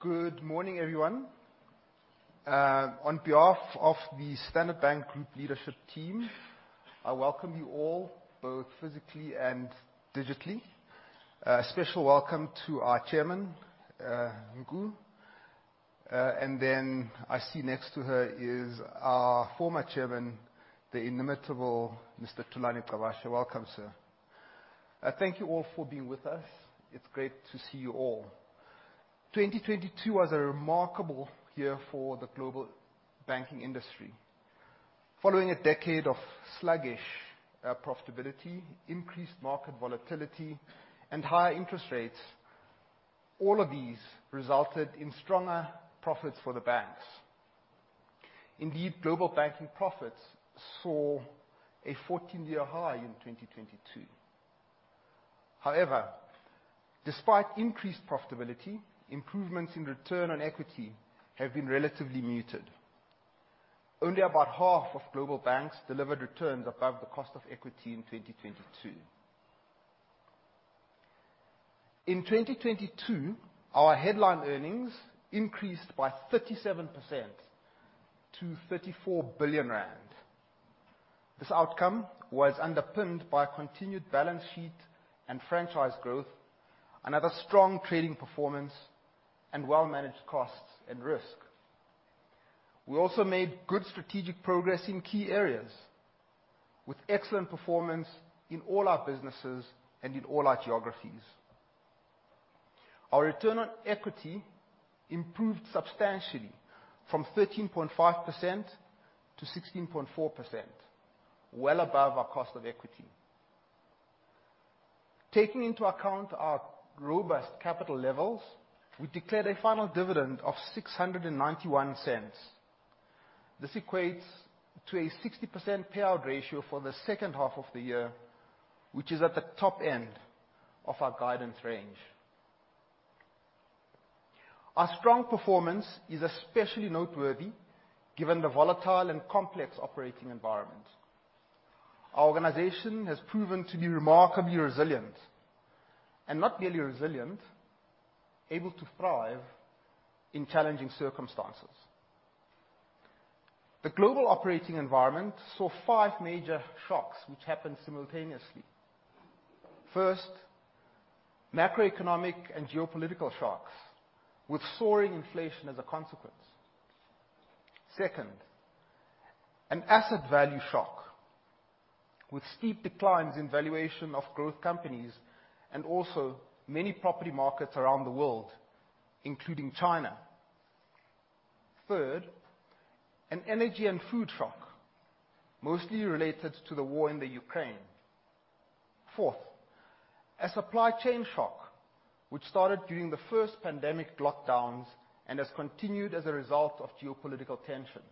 Good morning, everyone. On behalf of the Standard Bank Group Leadership team, I welcome you all, both physically and digitally. A special welcome to our Chairman, Nku. I see next to her is our former Chairman, the inimitable Mr. Thulani Gcabashe. Welcome, sir. I thank you all for being with us. It's great to see you all. 2022 was a remarkable year for the global banking industry. Following a decade of sluggish profitability, increased market volatility, and higher interest rates, all of these resulted in stronger profits for the banks. Indeed, global banking profits saw a 14-year high in 2022. However, despite increased profitability, improvements in return on equity have been relatively muted. Only about half of global banks delivered returns above the cost of equity in 2022. In 2022, our headline earnings increased by 37% to 34 billion rand. This outcome was underpinned by continued balance sheet and franchise growth, another strong trading performance, and well-managed costs and risk. We also made good strategic progress in key areas, with excellent performance in all our businesses and in all our geographies. Our return on equity improved substantially from 13.5-16.4%, well above our cost of equity. Taking into account our robust capital levels, we declared a final dividend of 6.91. This equates to a 60% payout ratio for the second half of the year, which is at the top end of our guidance range. Our strong performance is especially noteworthy given the volatile and complex operating environment. Our organization has proven to be remarkably resilient, and not merely resilient, able to thrive in challenging circumstances. The global operating environment saw five major shocks which happened simultaneously. First, macroeconomic and geopolitical shocks, with soaring inflation as a consequence. Second, an asset value shock, with steep declines in valuation of growth companies and also many property markets around the world, including China. Third, an energy and food shock, mostly related to the war in the Ukraine. Fourth, a supply chain shock, which started during the first pandemic lockdowns and has continued as a result of geopolitical tension.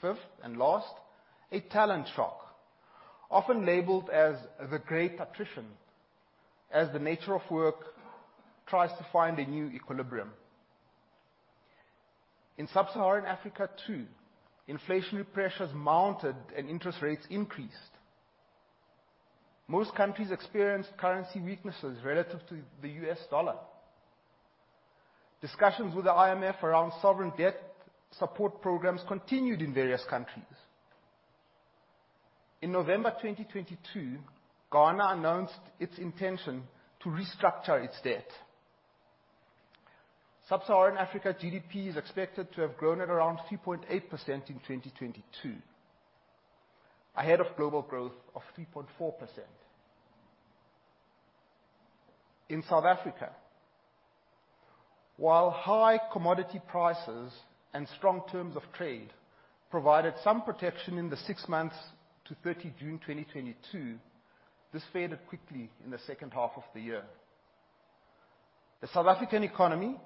Fifth and last, a talent shock, often labeled as the Great Attrition, as the nature of work tries to find a new equilibrium. In sub-Saharan Africa too, inflationary pressures mounted and interest rates increased. Most countries experienced currency weaknesses relative to the U.S. dollar. Discussions with the IMF around sovereign debt support programs continued in various countries. In November 2022, Ghana announced its intention to restructure its debt. Sub-Saharan Africa GDP is expected to have grown at around 3.8% in 2022, ahead of global growth of 3.4%. While high commodity prices and strong terms of trade provided some protection in the six months to 30 June 2022, this faded quickly in the second half of the year. The South African economy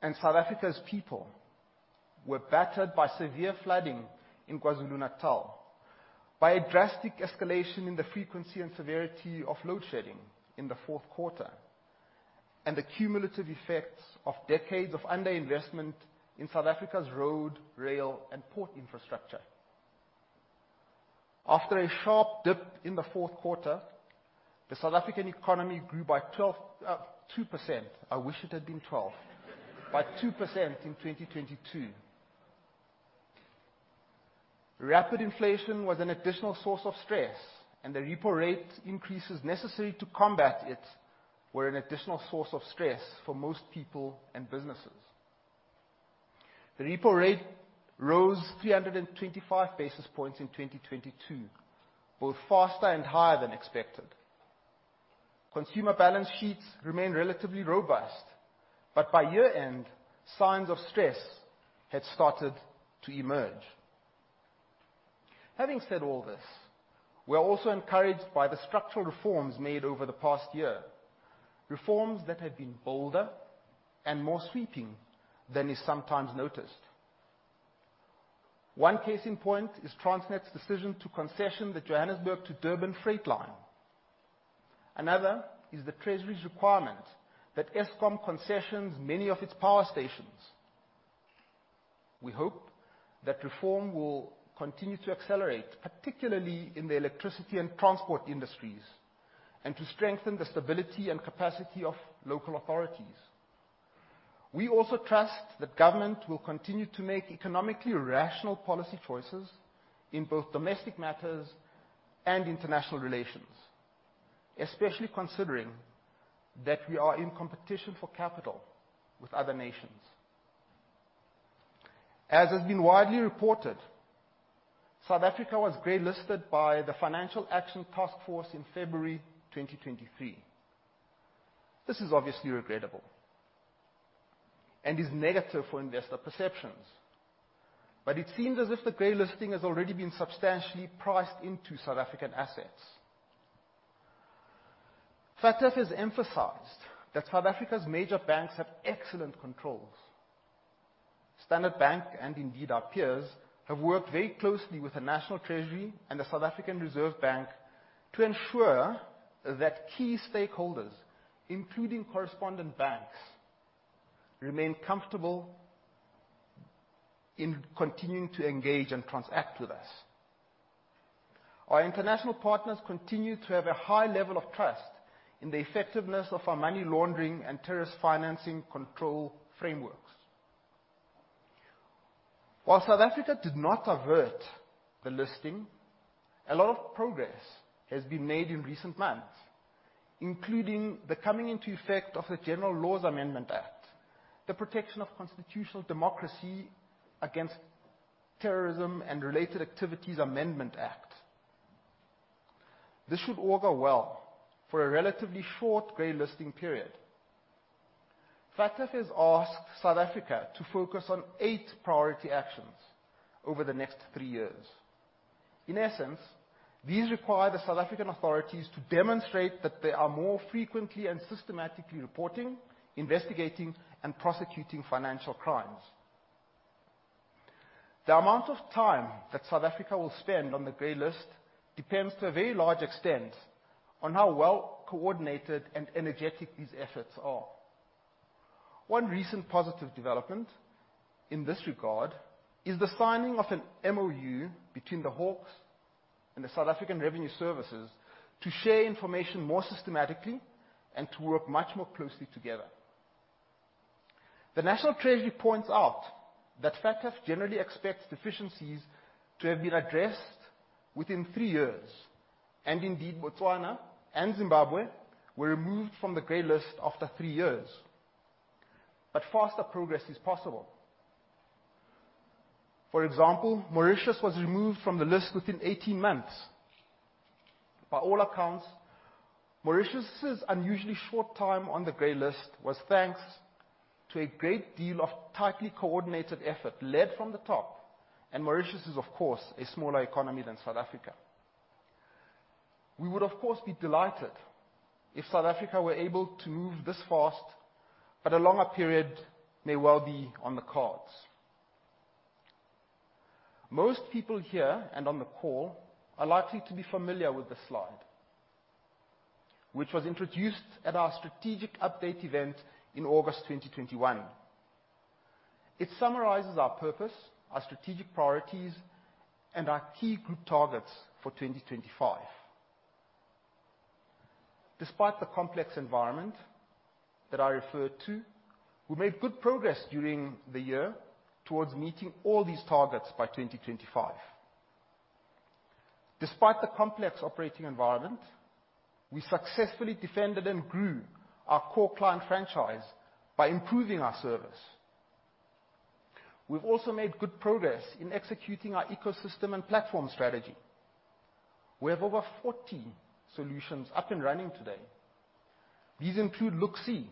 and South Africa's people were battered by severe flooding in KwaZulu-Natal by a drastic escalation in the frequency and severity of load shedding in the fourth quarter, and the cumulative effects of decades of underinvestment in South Africa's road, rail, and port infrastructure. After a sharp dip in the fourth quarter, the South African economy grew by 2%. I wish it had been 12. By 2% in 2022. Rapid inflation was an additional source of stress, and the repo rate increases necessary to combat it were an additional source of stress for most people and businesses. The repo rate rose 325 basis points in 2022, both faster and higher than expected. Consumer balance sheets remain relatively robust, but by year-end, signs of stress had started to emerge. Having said all this, we are also encouraged by the structural reforms made over the past year, reforms that have been bolder and more sweeping than is sometimes noticed. One case in point is Transnet's decision to concession the Johannesburg to Durban freight line. Another is the Treasury's requirement that Eskom concessions many of its power stations. We hope that reform will continue to accelerate, particularly in the electricity and transport industries, and to strengthen the stability and capacity of local authorities. We also trust that government will continue to make economically rational policy choices in both domestic matters and international relations, especially considering that we are in competition for capital with other nations. As has been widely reported, South Africa was grey-listed by the Financial Action Task Force in February 2023. This is obviously regrettable and is negative for investor perceptions. It seems as if the grey listing has already been substantially priced into South African assets. FATF has emphasized that South Africa's major banks have excellent controls. Standard Bank, and indeed our peers, have worked very closely with the National Treasury and the South African Reserve Bank to ensure that key stakeholders, including correspondent banks, remain comfortable in continuing to engage and transact with us. Our international partners continue to have a high level of trust in the effectiveness of our money laundering and terrorist financing control frameworks. While South Africa did not avert the listing, a lot of progress has been made in recent months, including the coming into effect of the General Laws Amendment Act, the Protection of Constitutional Democracy against Terrorist and Related Activities Amendment Act. This should augur well for a relatively short grey listing period. FATF has asked South Africa to focus on 8 priority actions over the next three years. In essence, these require the South African authorities to demonstrate that they are more frequently and systematically reporting, investigating, and prosecuting financial crimes. The amount of time that South Africa will spend on the grey list depends to a very large extent on how well coordinated and energetic these efforts are. One recent positive development in this regard is the signing of an MoU between the Hawks and the South African Revenue Service to share information more systematically and to work much more closely together. The National Treasury points out that FATF generally expects deficiencies to have been addressed within three years, and indeed, Botswana and Zimbabwe were removed from the gray list after 3 years. Faster progress is possible. For example, Mauritius was removed from the list within 18 months. By all accounts, Mauritius' unusually short time on the gray list was thanks to a great deal of tightly coordinated effort led from the top, Mauritius is, of course, a smaller economy than South Africa. We would, of course, be delighted if South Africa were able to move this fast, a longer period may well be on the cards. Most people here and on the call are likely to be familiar with this slide, which was introduced at our strategic update event in August 2021. It summarizes our purpose, our strategic priorities, and our key group targets for 2025. Despite the complex environment that I referred to, we made good progress during the year towards meeting all these targets by 2025. Despite the complex operating environment, we successfully defended and grew our core client franchise by improving our service. We've also made good progress in executing our ecosystem and platform strategy. We have over 40 solutions up and running today. These include LookSee,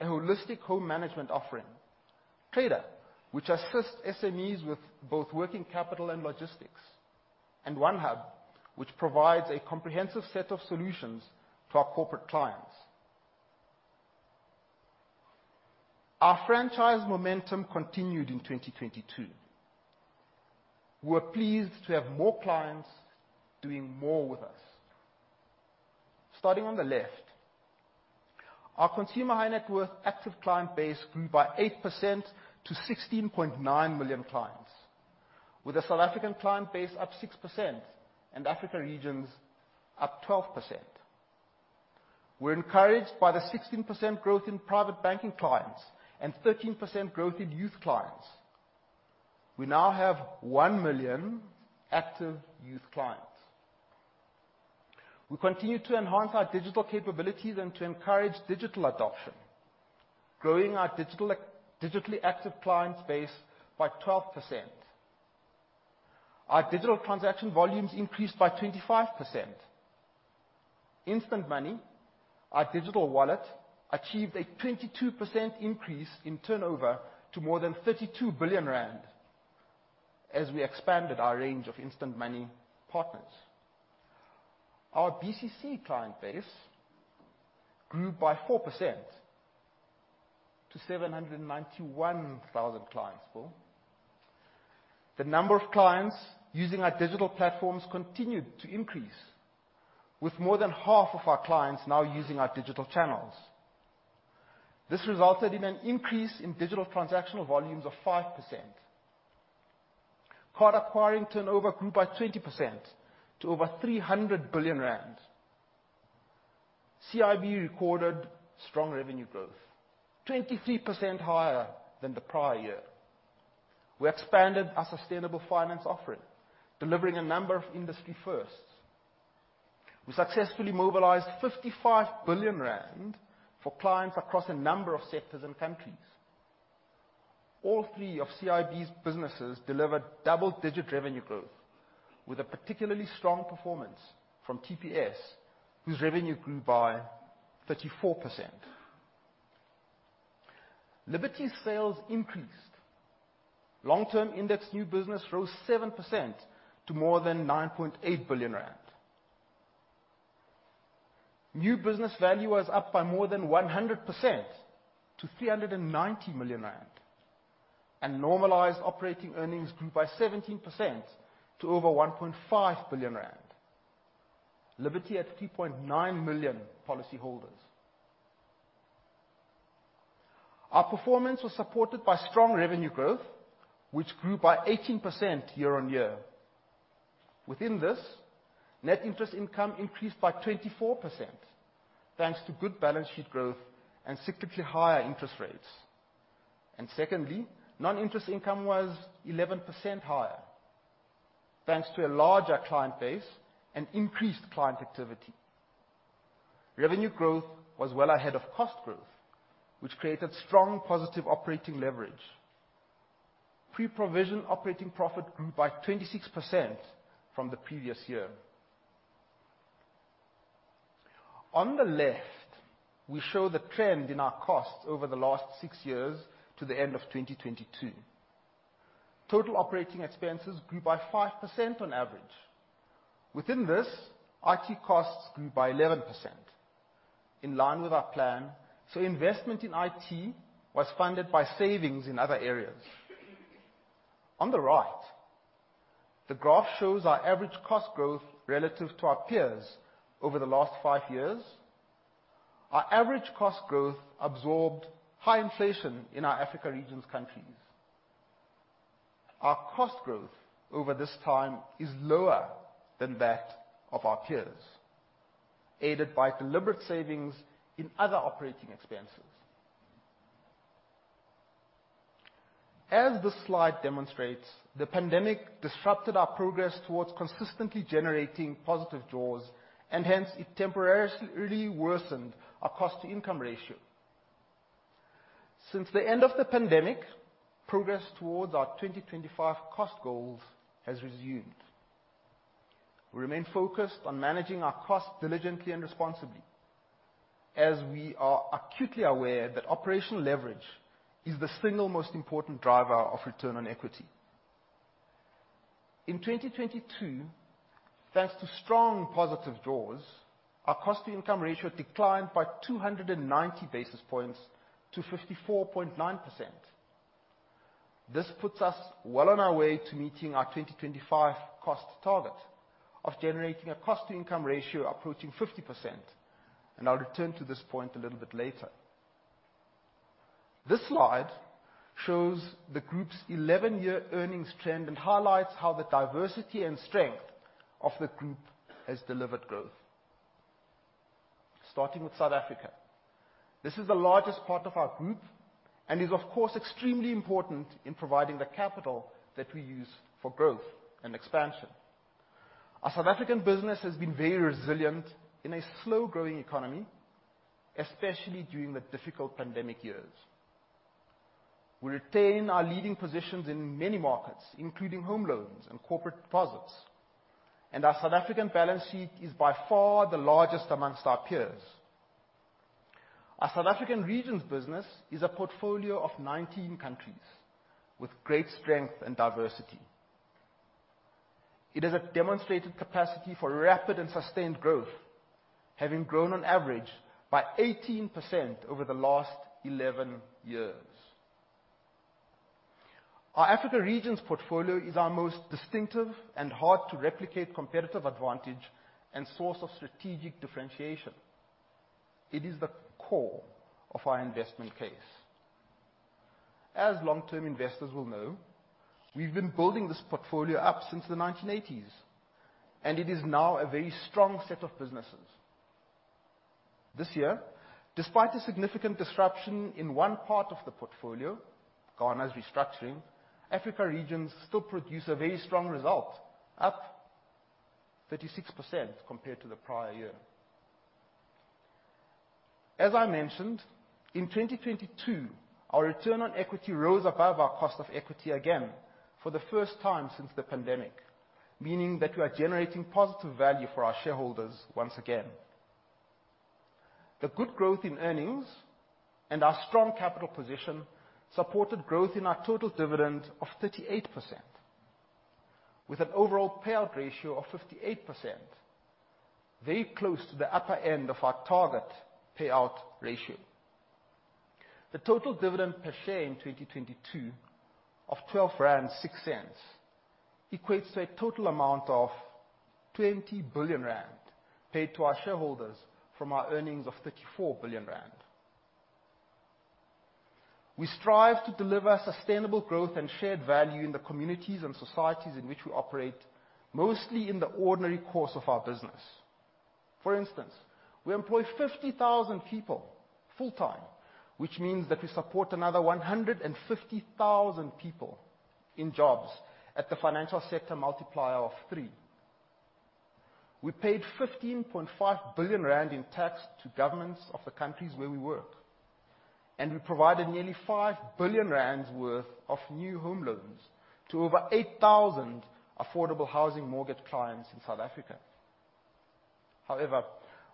a holistic home management offering, TradeR, which assists SMEs with both working capital and logistics, and OneHub, which provides a comprehensive set of solutions to our corporate clients. Our franchise momentum continued in 2022. We were pleased to have more clients doing more with us. Starting on the left, our Consumer high-net worth active client base grew by 8% to 16.9 million clients, with the South African client base up 6% and Africa regions up 12%. We're encouraged by the 16% growth in private banking clients and 13% growth in youth clients. We now have 1 million active youth clients. We continue to enhance our digital capabilities and to encourage digital adoption, growing our digitally active client base by 12%. Our Digital transaction volumes increased by 25%. Instant Money, our Digital Wallet, achieved a 22% increase in turnover to more than 32 billion rand as we expanded our range of Instant Money partners. Our BCC client base grew by 4% to 791,000 clients whole. The number of clients using our Digital platforms continued to increase. With more than half of our clients now using our Digital channels. This resulted in an increase in digital transactional volumes of 5%. Card acquiring turnover grew by 20% to over 300 billion rand. CIB recorded strong revenue growth, 23% higher than the prior year. We expanded our sustainable finance offering, delivering a number of industry firsts. We successfully mobilized 55 billion rand for clients across a number of sectors and countries. All three of CIB's businesses delivered double-digit revenue growth, with a particularly strong performance from TPS, whose revenue grew by 34%. Liberty sales increased. Long-term index new business rose 7% to more than 9.8 billion rand. New business value was up by more than 100% to 390 million rand. Normalized operating earnings grew by 17% to over 1.5 billion rand. Liberty had 3.9 million policyholders. Our performance was supported by strong revenue growth, which grew by 18% year-on-year. Within this, net interest income increased by 24% thanks to good balance sheet growth and significantly higher interest rates. Secondly, non-interest income was 11% higher thanks to a larger client base and increased client activity. Revenue growth was well ahead of cost growth, which created strong positive operating leverage. Pre-provision operating profit grew by 26% from the previous year. On the left, we show the trend in our costs over the last 6 years to the end of 2022. Total operating expenses grew by 5% on average. Within this, IT costs grew by 11% in line with our plan. Investment in IT was funded by savings in other areas. On the right, the graph shows our average cost growth relative to our peers over the last five years. Our average cost growth absorbed high inflation in our Africa regions countries. Our cost growth over this time is lower than that of our peers, aided by deliberate savings in other operating expenses. As this slide demonstrates, the pandemic disrupted our progress towards consistently generating positive jaws. It temporarily worsened our cost-to-income ratio. Since the end of the pandemic, progress towards our 2025 cost goals has resumed. We remain focused on managing our costs diligently and responsibly as we are acutely aware that operational leverage is the single most important driver of return on equity. In 2022, thanks to strong positive jaws, our cost-to-income ratio declined by 290 basis points to 54.9%. This puts us well on our way to meeting our 2025 cost target of generating a cost-to-income ratio approaching 50%. I'll return to this point a little bit later. This slide shows the group's 11-year earnings trend and highlights how the diversity and strength of the group has delivered growth. Starting with South Africa. This is the largest part of our group and is, of course, extremely important in providing the capital that we use for growth and expansion. Our South African business has been very resilient in a slow-growing economy, especially during the difficult pandemic years. We retain our leading positions in many markets, including home loans and corporate deposits, and our South African balance sheet is by far the largest amongst our peers. Our South African regions business is a portfolio of 19 countries with great strength and diversity. It has a demonstrated capacity for rapid and sustained growth, having grown on average by 18% over the last 11 years. Our Africa Regions portfolio is our most distinctive and hard-to-replicate competitive advantage and source of strategic differentiation. It is the core of our investment case. As long-term investors will know, we've been building this portfolio up since the 1980s, and it is now a very strong set of businesses. This year, despite a significant disruption in one part of the portfolio, Ghana's restructuring, Africa Regions still produce a very strong result, up 36% compared to the prior year. As I mentioned, in 2022, our return on equity rose above our cost of equity again for the first time since the pandemic, meaning that we are generating positive value for our shareholders once again. The good growth in earnings and our strong capital position supported growth in our total dividend of 38% with an overall payout ratio of 58%, very close to the upper end of our target payout ratio. The total dividend per share in 2022 of 12.06 rand equates to a total amount of 20 billion rand paid to our shareholders from our earnings of 34 billion rand. We strive to deliver sustainable growth and shared value in the communities and societies in which we operate, mostly in the ordinary course of our business. For instance, we employ 50,000 people full-time, which means that we support another 150,000 people in jobs at the financial sector multiplier of three. We paid 15.5 billion rand in tax to governments of the countries where we work. We provided nearly 5 billion rand worth of new home loans to over 8,000 affordable housing mortgage clients in South Africa. However,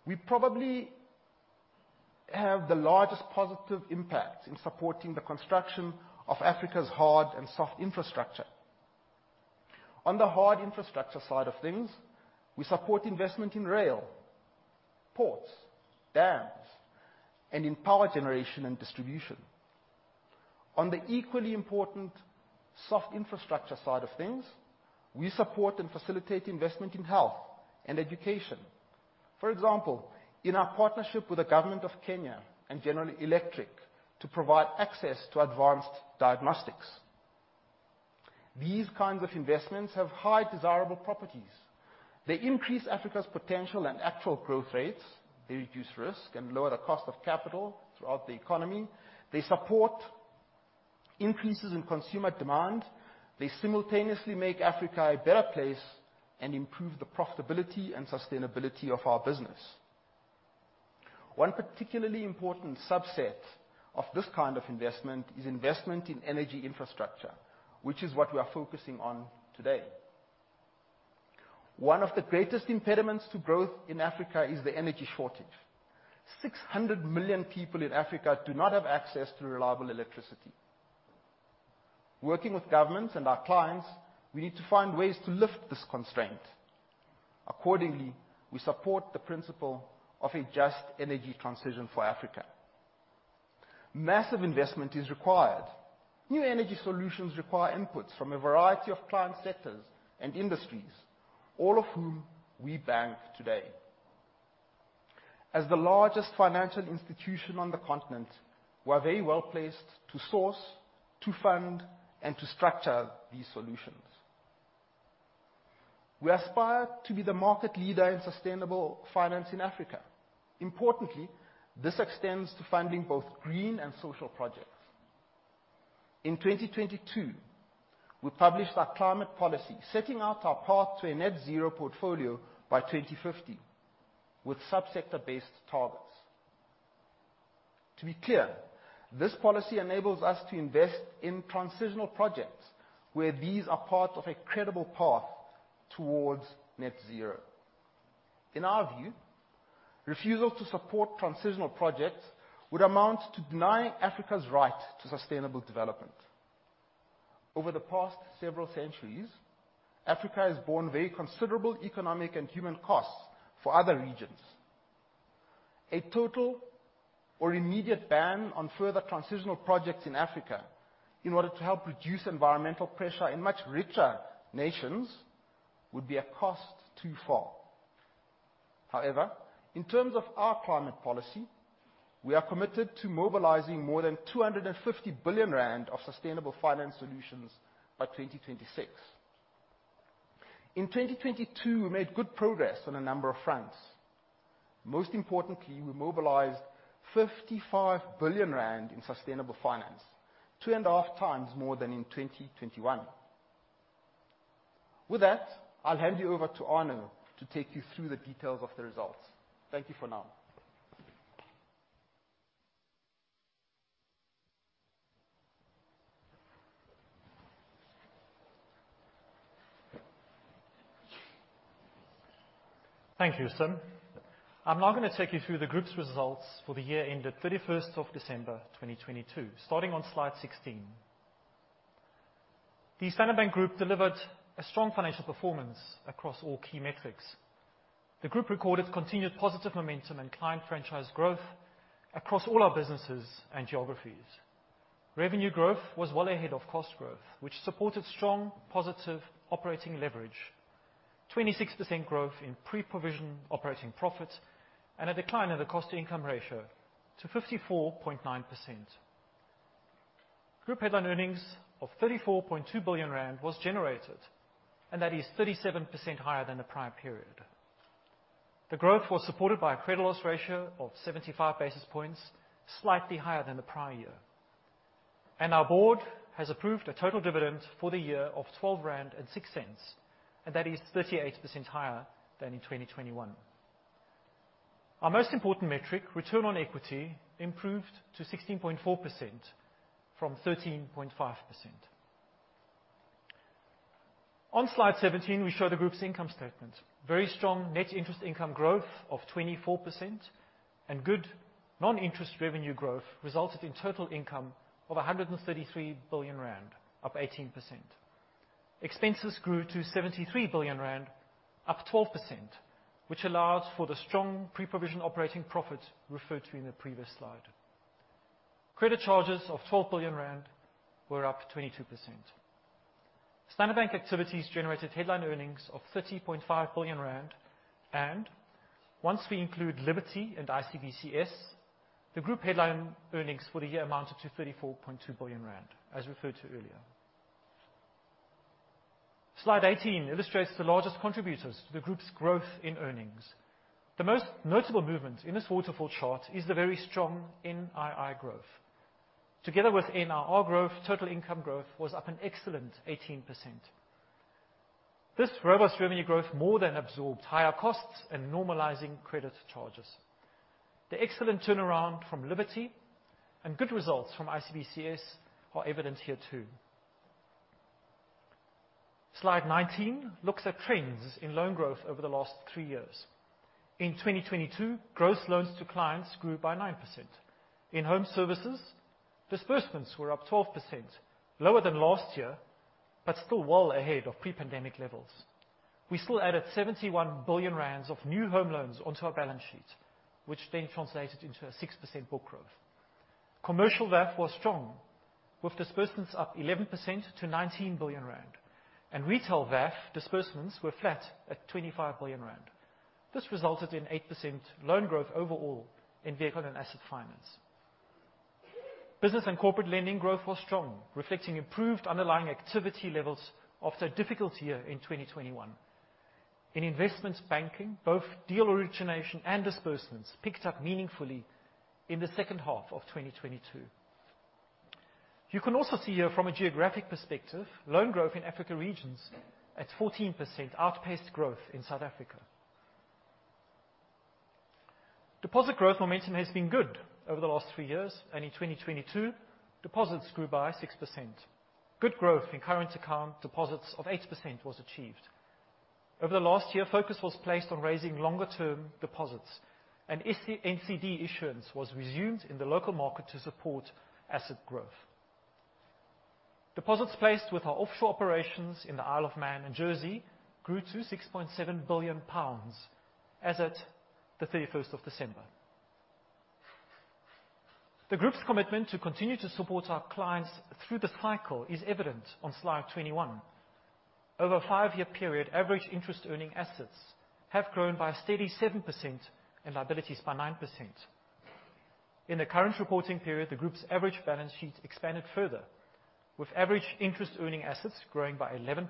we probably have the largest positive impact in supporting the construction of Africa's hard and soft infrastructure. On the hard infrastructure side of things, we support investment in rail, ports, dams, and in power generation and distribution. On the equally important soft infrastructure side of things, we support and facilitate investment in health and education. For example, in our partnership with the government of Kenya and General Electric to provide access to advanced diagnostics. These kinds of investments have high desirable properties. They increase Africa's potential and actual growth rates. They reduce risk and lower the cost of capital throughout the economy. They support increases in consumer demand. They simultaneously make Africa a better place and improve the profitability and sustainability of our business. One particularly important subset of this kind of investment is investment in energy infrastructure, which is what we are focusing on today. One of the greatest impediments to growth in Africa is the energy shortage. 600 million people in Africa do not have access to reliable electricity. Working with governments and our clients, we need to find ways to lift this constraint. Accordingly, we support the principle of a just energy transition for Africa. Massive investment is required. New energy solutions require inputs from a variety of client sectors and industries, all of whom we bank today. As the largest financial institution on the continent, we're very well-placed to source, to fund, and to structure these solutions. We aspire to be the market leader in sustainable finance in Africa. Importantly, this extends to funding both green and social projects. In 2022, we published our climate policy, setting out our path to a net-zero portfolio by 2050, with subsector-based targets. To be clear, this policy enables us to invest in transitional projects where these are part of a credible path towards net-zero. In our view, refusal to support transitional projects would amount to denying Africa's right to sustainable development. Over the past several centuries, Africa has borne very considerable economic and human costs for other regions. A total or immediate ban on further transitional projects in Africa in order to help reduce environmental pressure in much richer nations would be a cost too far. In terms of our climate policy, we are committed to mobilizing more than 250 billion rand of sustainable finance solutions by 2026. In 2022, we made good progress on a number of fronts. Most importantly, we mobilized 55 billion rand in sustainable finance, 2.5x more than in 2021. With that, I'll hand you over to Arno to take you through the details of the results. Thank you for now. Thank you, Sim. I'm now gonna take you through the group's results for the year ended 31st of December, 2022, starting on Slide 16. The Standard Bank Group delivered a strong financial performance across all key metrics. The Group recorded continued positive momentum and client franchise growth across all our businesses and geographies. Revenue growth was well ahead of cost growth, which supported strong positive operating leverage, 26% growth in pre-provision operating profit, and a decline in the cost-to-income ratio to 54.9%. Group head on earnings of 34.2 billion rand was generated, and that is 37% higher than the prior period. The growth was supported by a credit loss ratio of 75 basis points, slightly higher than the prior year. Our Board has approved a total dividend for the year of 12.06 rand, and that is 38% higher than in 2021. Our most important metric, return on equity, improved to 16.4% from 13.5%. On Slide 17, we show the group's income statement. Very strong net interest income growth of 24% and good non-interest revenue growth resulted in total income of 133 billion rand, up 18%. Expenses grew to 73 billion rand, up 12%, which allows for the strong pre-provision operating profit referred to in the previous slide. Credit charges of 12 billion rand were up 22%. Standard Bank activities generated headline earnings of 30.5 billion rand, and once we include Liberty and ICBCS, the group headline earnings for the year amounted to 34.2 billion rand, as referred to earlier. Slide 18 illustrates the largest contributors to the group's growth in earnings. The most notable movement in this waterfall chart is the very strong NII growth. Together with NRR growth, total income growth was up an excellent 18%. This robust revenue growth more than absorbed higher costs and normalizing credit charges. The excellent turnaround from Liberty and good results from ICBCS are evident here too. Slide 19 looks at trends in loan growth over the last three years. In 2022, gross loans to clients grew by 9%. In Home Services, disbursements were up 12%, lower than last year, but still well ahead of pre-pandemic levels. We still added 71 billion rand of new home loans onto our balance sheet, which then translated into a 6% book growth. Commercial VAF was strong, with disbursements up 11% to 19 billion rand, and retail VAF disbursements were flat at 25 billion rand. This resulted in 8% loan growth overall in Vehicle and Asset Finance. Business and Corporate lending growth was strong, reflecting improved underlying activity levels after a difficult year in 2021. In Investments Banking, both deal origination and disbursements picked up meaningfully in the second half of 2022. You can also see here from a geographic perspective, loan growth in Africa regions at 14% outpaced growth in South Africa. Deposit growth momentum has been good over the last three years, and in 2022, deposits grew by 6%. Good growth in current account deposits of 8% was achieved. Over the last year, focus was placed on raising longer-term deposits and NCD issuance was resumed in the local market to support asset growth. Deposits placed with our offshore operations in the Isle of Man and Jersey grew to 6.7 billion pounds as at the 31st of December. The group's commitment to continue to support our clients through the cycle is evident on Slide 21. Over a five-year period, average interest earning assets have grown by a steady 7% and liabilities by 9%. In the current reporting period, the group's average balance sheet expanded further, with average interest earning assets growing by 11%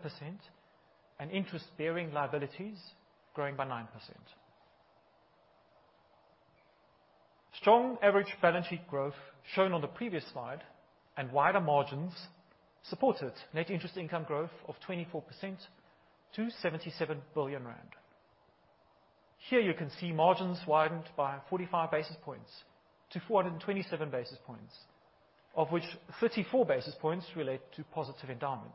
and interest bearing liabilities growing by 9%. Strong average balance sheet growth shown on the previous slide and wider margins supported net interest income growth of 24% to 77 billion rand. Here you can see margins widened by 45 basis points to 427 basis points, of which 34 basis points relate to positive endowment.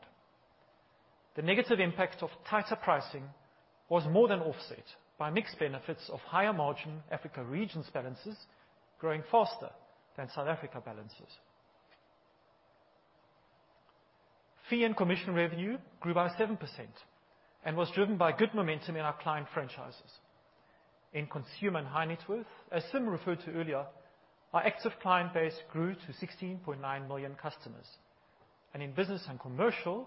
The negative impact of tighter pricing was more than offset by mixed benefits of higher margin Africa regions balances growing faster than South Africa balances. Fee and Commission revenue grew by 7% and was driven by good momentum in our client franchises. In Consumer and High Net Worth, as Sim referred to earlier, our active client base grew to 16.9 million customers, and in Business and Commercial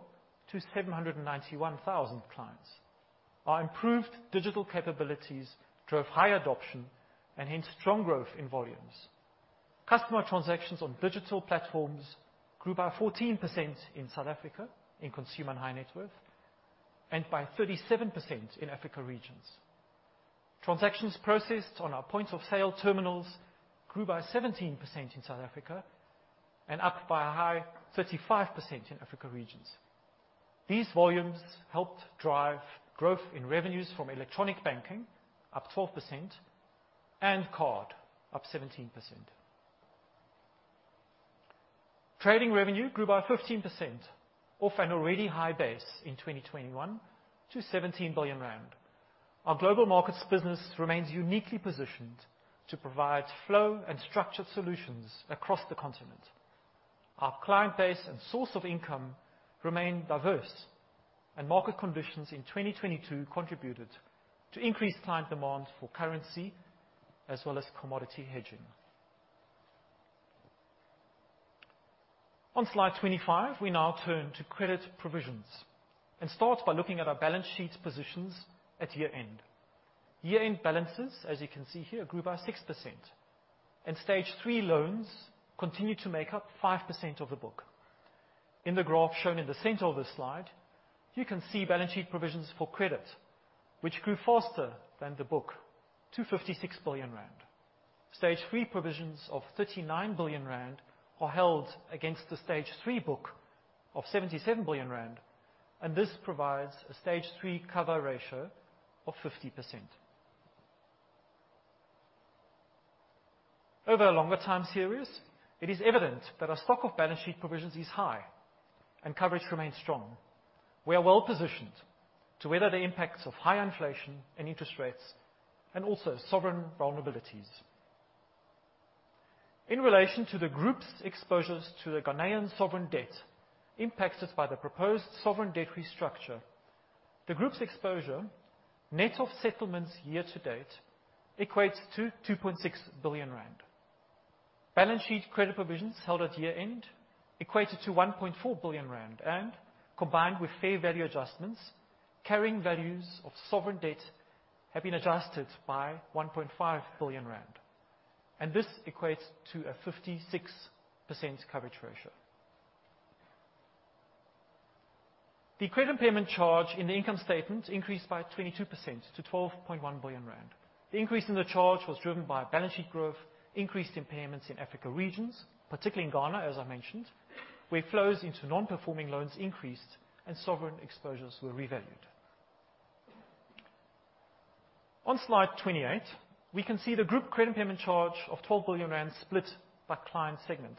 to 791,000 clients. Our improved digital capabilities drove high adoption and hence strong growth in volumes. Customer transactions on digital platforms grew by 14% in South Africa in Consumer and high net worth, and by 37% in Africa regions. Transactions processed on our point of sale terminals grew by 17% in South Africa and up by a high 35% in Africa regions. These volumes helped drive growth in revenues from electronic banking up 12% and card up 17%. Trading revenue grew by 15% off an already high base in 2021 to 17 billion rand. Our Global Markets business remains uniquely positioned to provide flow and structured solutions across the continent. Our client base and source of income remain diverse, and market conditions in 2022 contributed to increased client demand for currency as well as commodity hedging. On Slide 25, we now turn to credit provisions and start by looking at our balance sheet positions at year-end. Year-end balances, as you can see here, grew by 6%, and Stage 3 loans continue to make up 5% of the book. In the graph shown in the center of this slide, you can see balance sheet provisions for credit, which grew faster than the book to 56 billion rand. Stage 3 provisions of 39 billion rand are held against the Stage 3 book of 77 billion rand, This provides a Stage 3 cover ratio of 50%. Over a longer time series, it is evident that our stock of balance sheet provisions is high and coverage remains strong. We are well-positioned to weather the impacts of high inflation and interest rates and also sovereign vulnerabilities. In relation to the group's exposures to the Ghanaian sovereign debt impacted by the proposed sovereign debt restructure. The group's exposure, net of settlements year to date, equates to 2.6 billion rand. Balance sheet credit provisions held at year-end equated to 1.4 billion rand, and combined with fair value adjustments, carrying values of sovereign debt have been adjusted by 1.5 billion rand, and this equates to a 56% coverage ratio. The cre dit impairment charge in the income statement increased by 22% to 12.1 billion rand. The increase in the charge was driven by balance sheet growth, increased impairments in Africa regions, particularly in Ghana, as I mentioned, where flows into non-performing loans increased and sovereign exposures were revalued. On Slide 28, we can see the group credit impairment charge of 12 billion rand split by Client segment.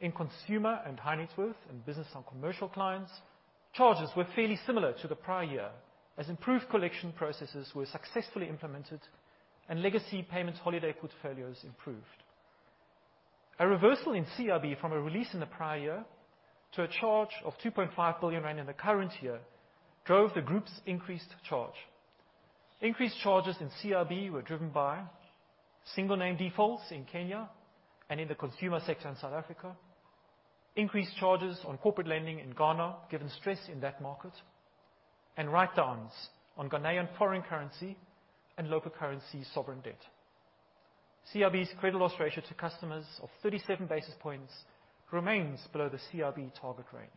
In Consumer and High Net Worth and Business and Commercial clients, charges were fairly similar to the prior year as improved collection processes were successfully implemented and legacy payment holiday portfolios improved. A reversal in CIB from a release in the prior year to a charge of 2.5 billion rand in the current year drove the group's increased charge. Increased charges in CIB were driven by single name defaults in Kenya and in the consumer sector in South Africa, increased charges on corporate lending in Ghana, given stress in that market, and write-downs on Ghanaian foreign currency and local currency sovereign debt. CIB's credit loss ratio to customers of 37 basis points remains below the CIB target range.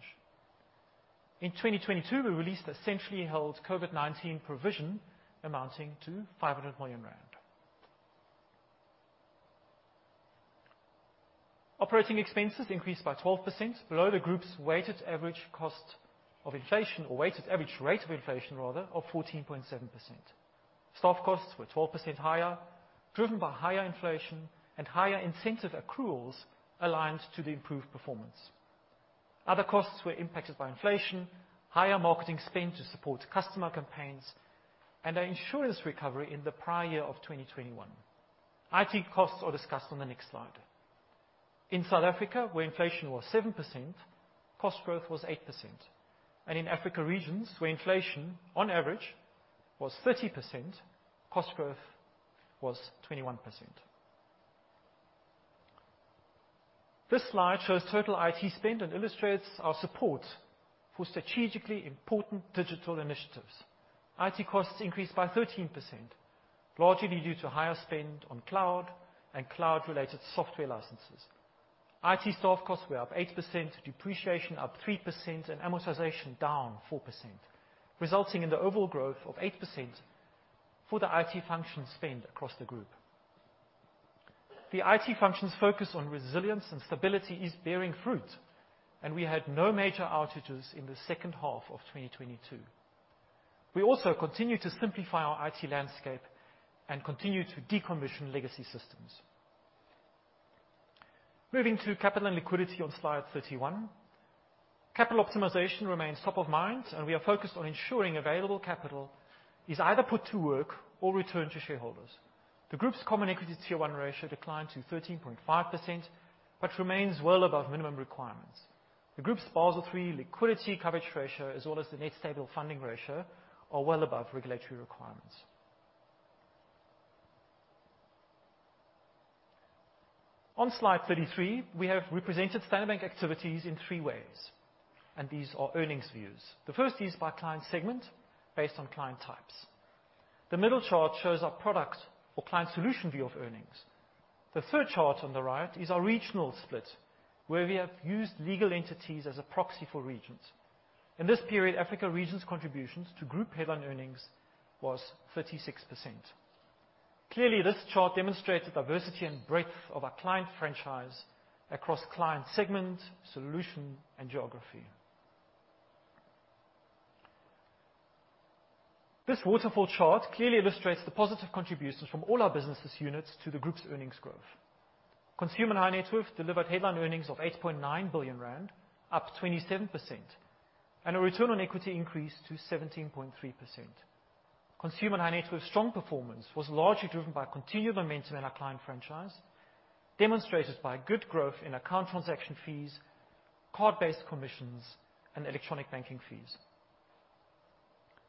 In 2022, we released a centrally held COVID-19 provision amounting to ZAR 500 million. Operating expenses increased by 12% below the group's weighted average cost of inflation or weighted average rate of inflation, rather, of 14.7%. Staff costs were 12% higher, driven by higher inflation and higher incentive accruals aligned to the improved performance. Other costs were impacted by inflation, higher marketing spend to support customer campaigns, and an insurance recovery in the prior year of 2021. IT costs are discussed on the next slide. In South Africa, where inflation was 7%, cost growth was 8%. In Africa regions, where inflation on average was 30%, cost growth was 21%. This slide shows total IT spend and illustrates our support for strategically important digital initiatives. IT costs increased by 13%, largely due to higher spend on cloud and cloud-related software licenses. IT staff costs were up 8%, depreciation up 3%, and amortization down 4%, resulting in the overall growth of 8% for the IT function spend across the group. The IT function's focus on resilience and stability is bearing fruit, and we had no major outages in the second half of 2022. We also continue to simplify our IT landscape and continue to decommission legacy systems. Moving to capital and liquidity on Slide 31. Capital optimization remains top of mind, and we are focused on ensuring available capital is either put to work or returned to shareholders. The group's Common Equity Tier 1 ratio declined to 13.5%, but remains well above minimum requirements. The group's Basel III liquidity coverage ratio, as well as the net stable funding ratio, are well above regulatory requirements. On Slide 33, we have represented Standard Bank activities in three ways, and these are earnings views. The first is by Client segment based on client types. The middle chart shows our product or Client Solution view of earnings. The third chart on the right is our regional split, where we have used legal entities as a proxy for regions. In this period, Africa region's contributions to group headline earnings was 36%. Clearly, this chart demonstrates the diversity and breadth of our client franchise across Client segment, Solution, and Geography. This waterfall chart clearly illustrates the positive contributions from all our business units to the group's earnings growth. Consumer and High Net Worth delivered headline earnings of 8.9 billion rand, up 27%, and a return on equity increase to 17.3%. Consumer and High Net Worth strong performance was largely driven by continued momentum in our client franchise, demonstrated by good growth in account transaction fees, card-based commissions, and electronic banking fees.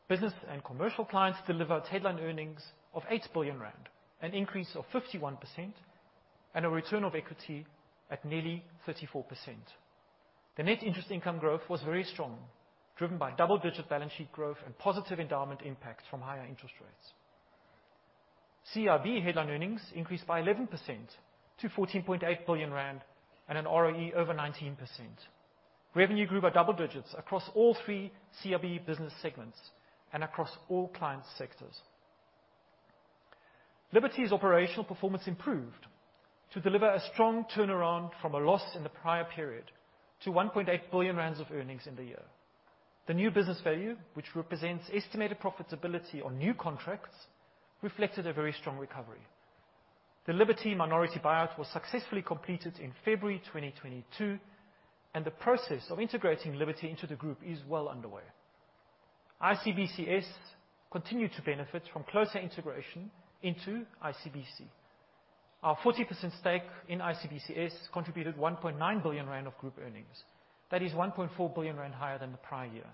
Business and Commercial Clients delivered headline earnings of 8 billion rand, an increase of 51% and a return of equity at nearly 34%. The net interest income growth was very strong, driven by double-digit balance sheet growth and positive endowment impact from higher interest rates. CIB headline earnings increased by 11% to 14.8 billion rand and an ROE over 19%. Revenue grew by double digits across all three CIB business segments and across all Client sectors. Liberty's operational performance improved to deliver a strong turnaround from a loss in the prior period to 1.8 billion rand of earnings in the year. The new business value, which represents estimated profitability on new contracts, reflected a very strong recovery. The Liberty minority buyout was successfully completed in February 2022, and the process of integrating Liberty into the group is well underway. ICBCS continued to benefit from closer integration into ICBC. Our 40% stake in ICBCS contributed 1.9 billion rand of group earnings. That is 1.4 billion rand higher than the prior year.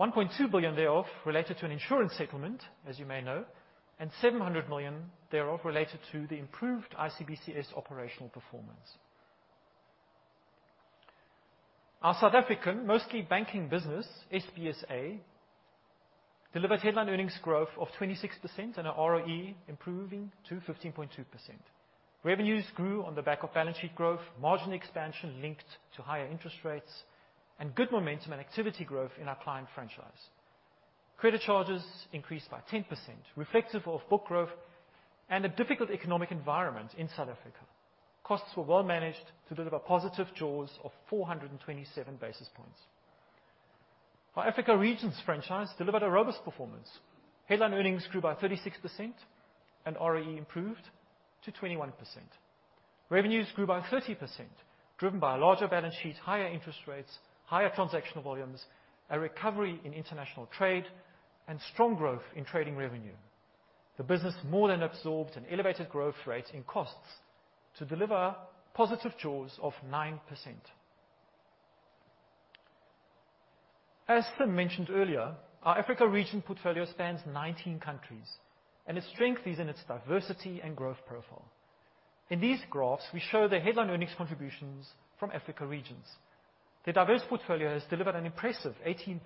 1.2 billion thereof related to an insurance settlement, as you may know, and 700 million thereof related to the improved ICBCS operational performance. Our South African mostly Banking business, SBSA, delivered headline earnings growth of 26% and our ROE improving to 15.2%. Revenues grew on the back of balance sheet growth, margin expansion linked to higher interest rates, and good momentum and activity growth in our Client franchise. Credit charges increased by 10% reflective of book growth and a difficult economic environment in South Africa. Costs were well managed to deliver positive jaws of 427 basis points. Our Africa Regions franchise delivered a robust performance. Headline earnings grew by 36% and ROE improved to 21%. Revenues grew by 30% driven by larger balance sheet, higher interest rates, higher transactional volumes, a recovery in international trade, and strong growth in trading revenue. The business more than absorbed an elevated growth rate in costs to deliver positive jaws of 9%. As Sim mentioned earlier, our Africa Region portfolio spans 19 countries, and its strength is in its diversity and growth profile. In these graphs, we show the headline earnings contributions from Africa regions. The diverse portfolio has delivered an impressive 18%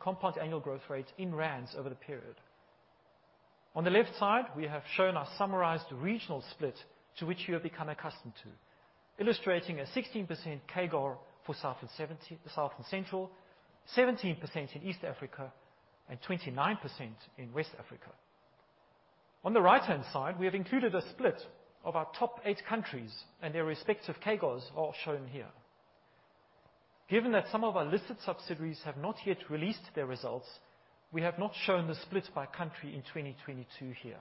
compound annual growth rate in rands over the period. On the left side, we have shown our summarized regional split to which you have become accustomed to. Illustrating a 16% CAGR for South and Central, 17% in East Africa, and 29% in West Africa. On the right-hand side, we have included a split of our top eight countries and their respective CAGRs are shown here. Given that some of our listed subsidiaries have not yet released their results, we have not shown the split by country in 2022 here.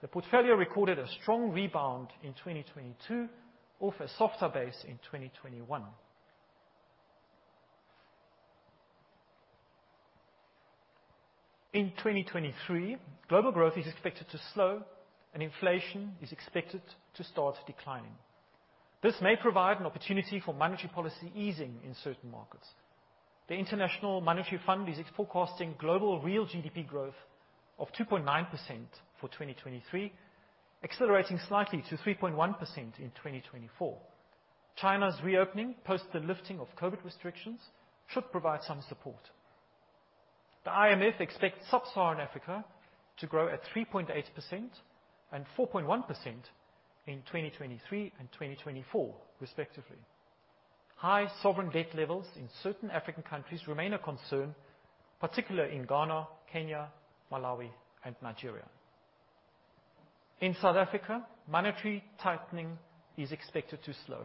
The portfolio recorded a strong rebound in 2022 off a softer base in 2021. In 2023, global growth is expected to slow and inflation is expected to start declining. This may pro vide an opportunity for monetary policy easing in certain markets. The International Monetary Fund is forecasting global real GDP growth of 2.9% for 2023, accelerating slightly to 3.1% in 2024. China's reopening post the lifting of COVID restrictions should provide some support. The IMF expects Sub-Saharan Africa to grow at 3.8% and 4.1% in 2023 and 2024 respectively. High sovereign debt levels in certain African countries remain a concern, particularly in Ghana, Kenya, Malawi, and Nigeria. In South Africa, monetary tightening is expected to slow.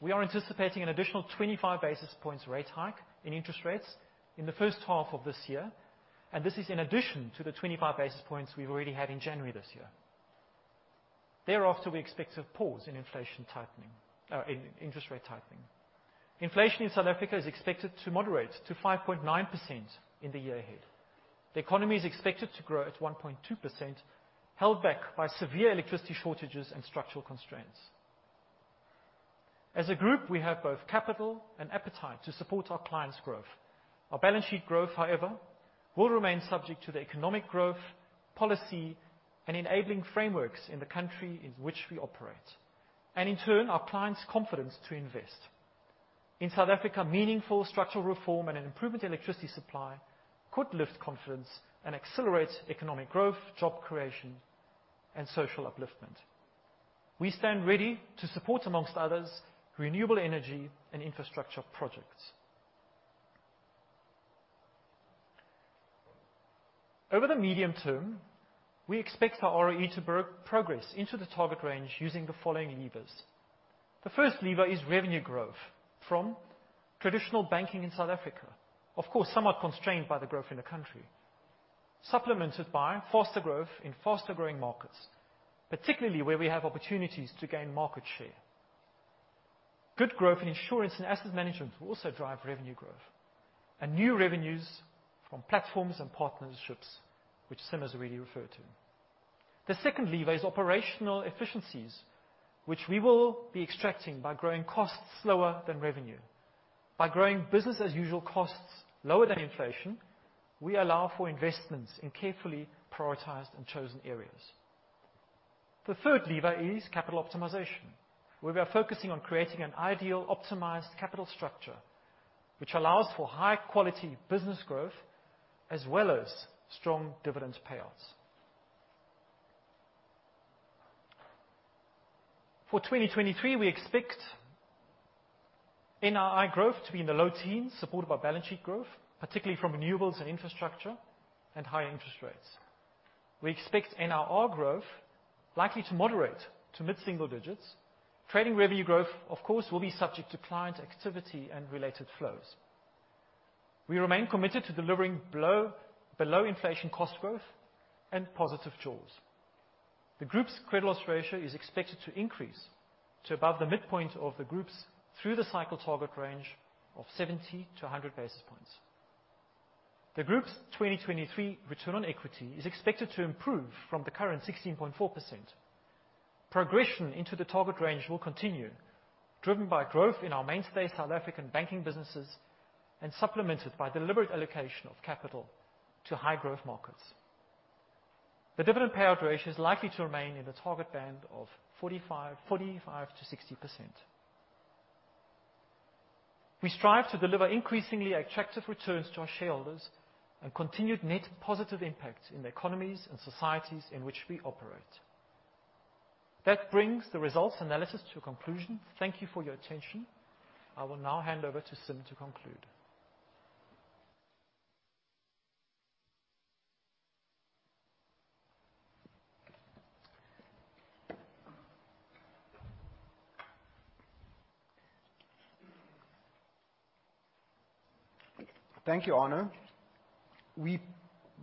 We are anticipating an additional 25 basis points rate hike in interest rates in the first half of this year, and this is in addition to the 25 basis points we've already had in January this year. Thereafter, we expect to pause in interest rate tightening. Inflation in South Africa is expected to moderate to 5.9% in the year ahead. The economy is expected to grow at 1.2%, held back by severe electricity shortages and structural constraints. As a group, we have both capital and appetite to support our clients' growth. Our balance sheet growth, however, will remain subject to the economic growth, policy, and enabling frameworks in the country in which we operate. In turn, our clients' confidence to invest. In South Africa, meaningful structural reform and an improvement in electricity supply could lift confidence and accelerate economic growth, job creation, and social upliftment. We stand ready to support, amongst others, renewable energy and infrastructure projects. Over the medium-term, we expect our ROE to progress into the target range using the following levers. The first lever is revenue growth from traditional banking in South Africa. Of course, somewhat constrained by the growth in the country. Supplemented by foster growth in foster growing markets, particularly where we have opportunities to gain market share. Good growth in insurance and asset management will also drive revenue growth. New revenues from platforms and partnerships, which Sim has already referred to. The second lever is operational efficiencies, which we will be extracting by growing costs slower than revenue. By growing business as usual costs lower than inflation, we allow for investments in carefully prioritized and chosen areas. The third lever is capital optimization, where we are focusing on creating an ideal optimized capital structure, which allows for high quality business growth as well as strong dividend payouts. For 2023, we expect NII growth to be in the low teens, supported by balance sheet growth, particularly from renewables and infrastructure and higher interest rates. We expect NRR growth likely to moderate to mid-single-digits. Trading revenue growth, of course, will be subject to client activity and related flows. We remain committed to delivering below inflation cost growth and positive jaws. The group's credit loss ratio is expected to increase to above the midpoint of the group's through the cycle target range of 70--100 basis points. The group's 2023 return on equity is expected to improve from the current 16.4%. Progression into the target range will continue, driven by growth in our mainstay South African Banking businesses and supplemented by deliberate allocation of capital to high growth markets. The dividend payout ratio is likely to remain in the target band of 45%-60%. We strive to deliver increasingly attractive returns to our shareholders and continued net positive impact in the economies and societies in which we operate. That brings the results analysis to a conclusion. Thank you for your attention. I will now hand over to Sim to conclude. Thank you, Arno. We're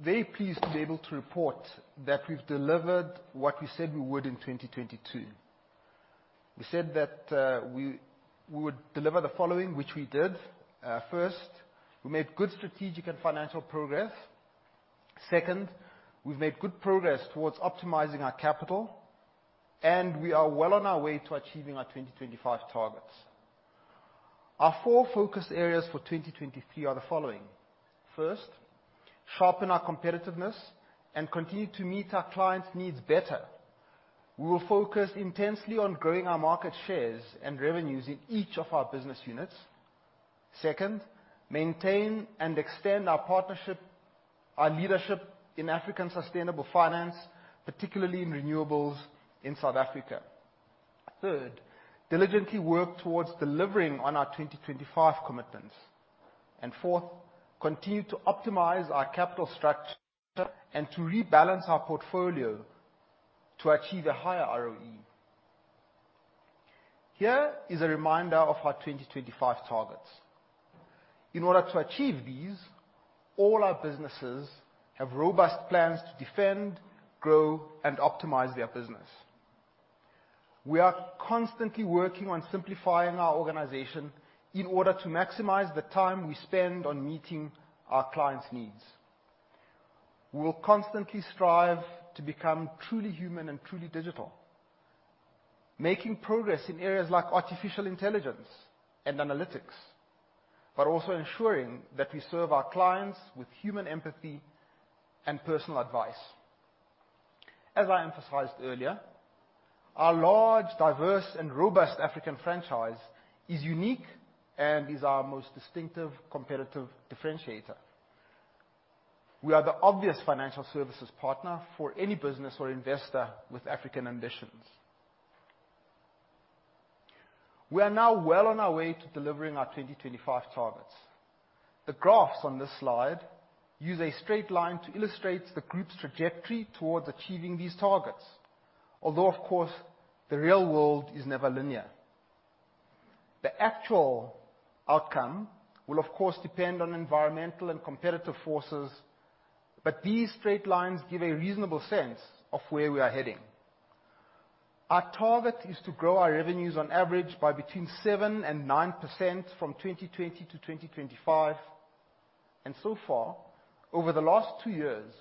very pleased to be able to report that we've delivered what we said we would in 2022. We said that we would deliver the following, which we did. First, we made good strategic and financial progress. Second, we've made good progress towards optimizing our capital, and we are well on our way to achieving our 2025 targets. Our four focus areas for 2023 are the following: First, sharpen our competitiveness and continue to meet our clients' needs better. We will focus intensely on growing our market shares and revenues in each of our business units. Second, maintain and extend our partnership, our leadership in African sustainable finance, particularly in renewables in South Africa. Third, diligently work towards delivering on our 2025 commitments. Fourth, continue to optimize our capital structure and to rebalance our portfolio to achieve a higher ROE. Here is a reminder of our 2025 targets. In order to achieve these, all our businesses have robust plans to defend, grow, and optimize their business. We are constantly working on simplifying our organization in order to maximize the time we spend on meeting our clients' needs. We will constantly strive to become truly human and truly digital. Making progress in areas like artificial intelligence and analytics, but also ensuring that we serve our clients with human empathy and personal advice. As I emphasized earlier, our large, diverse, and robust African franchise is unique and is our most distinctive competitive differentiator. We are the obvious financial services partner for any business or investor with African ambitions. We are now well on our way to delivering our 2025 targets. The graphs on this slide use a straight line to illustrate the group's trajectory towards achieving these targets. Although of course, the real world is never linear. The actual outcome will, of course, depend on environmental and competitive forces, but these straight lines give a reasonable sense of where we are heading. Our target is to grow our revenues on average by between 7% and 9% from 2020-2025. So far, over the last 2 years,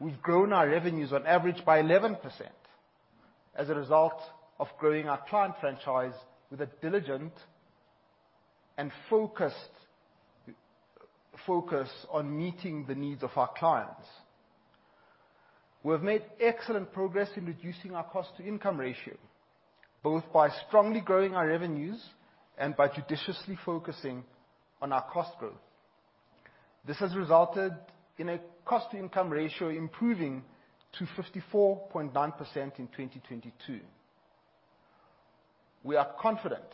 we've grown our revenues on average by 11% as a result of growing our Client franchise with a diligent and focused focus on meeting the needs of our clients. We have made excellent progress in reducing our cost-to-income ratio, both by strongly growing our revenues and by judiciously focusing on our cost growth. This has resulted in a cost-to-income ratio improving to 54.9% in 2022. We are confident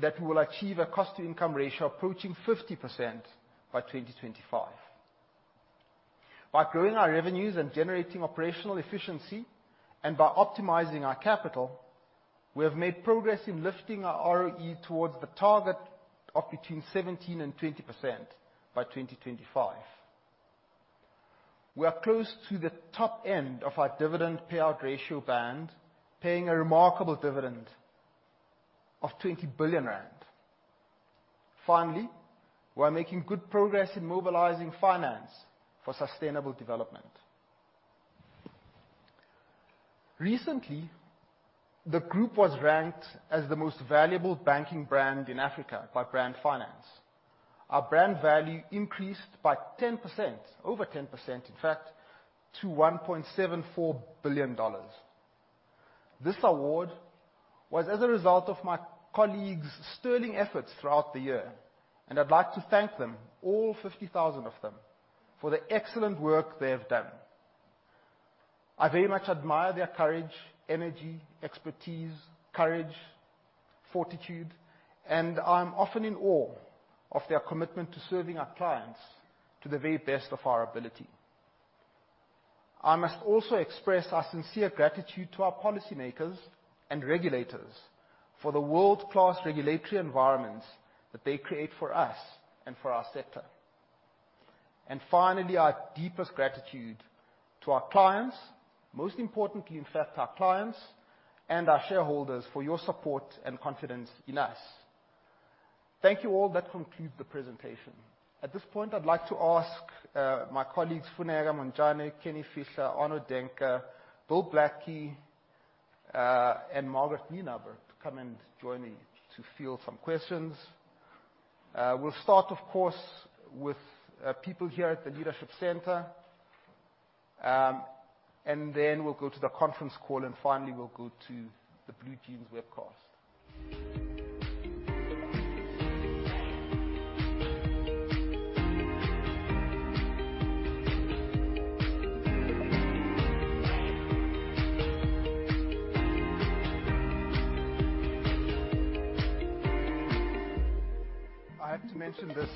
that we will achieve a cost-to-income ratio approaching 50% by 2025. By growing our revenues and generating operational efficiency and by optimizing our capital, we have made progress in lifting our ROE towards the target of between 17% and 20% by 2025. We are close to the top end of our dividend payout ratio band, paying a remarkable dividend of ZAR 20 billion. Finally, we are making good progress in mobilizing finance for sustainable development. Recently, the group was ranked as the most valuable banking brand in Africa by Brand Finance. Our brand value increased by 10%, over 10%, in fact, to $1.74 billion. This award was as a result of my colleagues' sterling efforts throughout the year, and I'd like to thank them, all 50,000 of them, for the excellent work they have done. I very much admire their courage, energy, expertise, courage, fortitude, and I'm often in awe of their commitment to serving our clients to the very best of our ability. I must also express our sincere gratitude to our policymakers and regulators for the world-class regulatory environments that they create for us and for our sector. Finally, our deepest gratitude to our clients, most importantly, in fact, our clients and our shareholders for your support and confidence in us. Thank you all. That concludes the presentation. At this point, I'd like to ask my colleagues, Funeka Montjane, Kenny Fihla, Arno Daehnke, Bill Blackie, and Margaret Nienaber to come and join me to field some questions. We'll start, of course, with people here at the leadership center. Then we'll go to the conference call, finally, we'll go to the BlueJeans webcast. I have to mention this.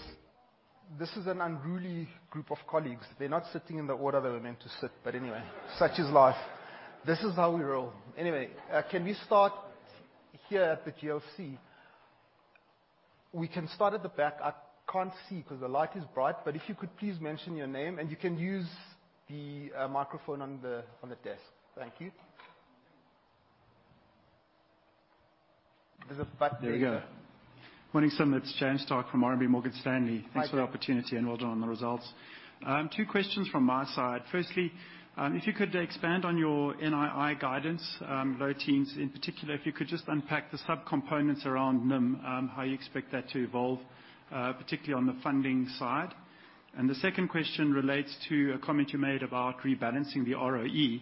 This is an unruly group of colleagues. They're not sitting in the order they were meant to sit. Anyway, such is life. This is how we roll. Anyway, can we start here at the GOC? We can start at the back. I can't see 'cause the light is bright, if you could please mention your name, and you can use the microphone on the, on the desk. Thank you. To the back there. There we go. Morning, Sim. It's James Starke from RMB Morgan Stanley. Hi, James. Thanks for the opportunity. Well done on the results. Two questions from my side. Firstly, if you could expand on your NII guidance, low teens. In particular, if you could just unpack the subcomponents around NIM, how you expect that to evolve, particularly on the funding side. The second question relates to a comment you made about rebalancing the ROE.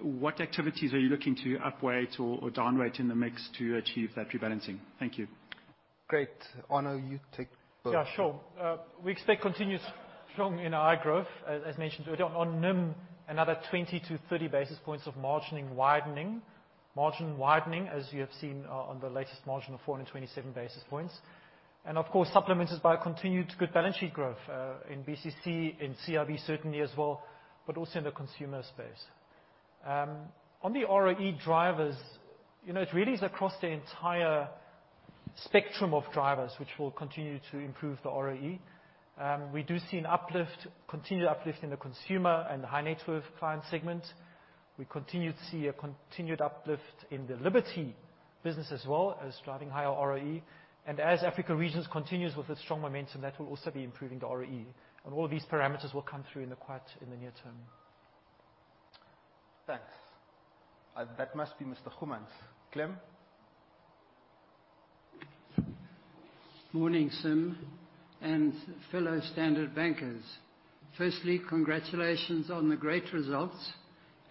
What activities are you looking to upweight or downweight in the mix to achieve that rebalancing? Thank you. Great. Arno, you take both. Yeah, sure. We expect continuous strong NII growth, as mentioned. On NIM, another 20-30 basis points of margining widening. Margin widening, as you have seen on the latest margin of 4.27 basis points. Of course, supplemented by continued good balance sheet growth in BCC, in CIB certainly as well, but also in the Consumer space. On the ROE drivers, you know, it really is across the entire spectrum of drivers, which will continue to improve the ROE. We do see an uplift, continued uplift in the consumer and high-net-worth Client segment. We continue to see a continued uplift in the Liberty business as well as driving higher ROE. As Africa Regions continues with its strong momentum, that will also be improving the ROE. All these parameters will come through in the near term. Thanks. That must be Mr. Goemans. Clem? Morning, Sim and fellow Standard Bankers. Firstly, congratulations on the great results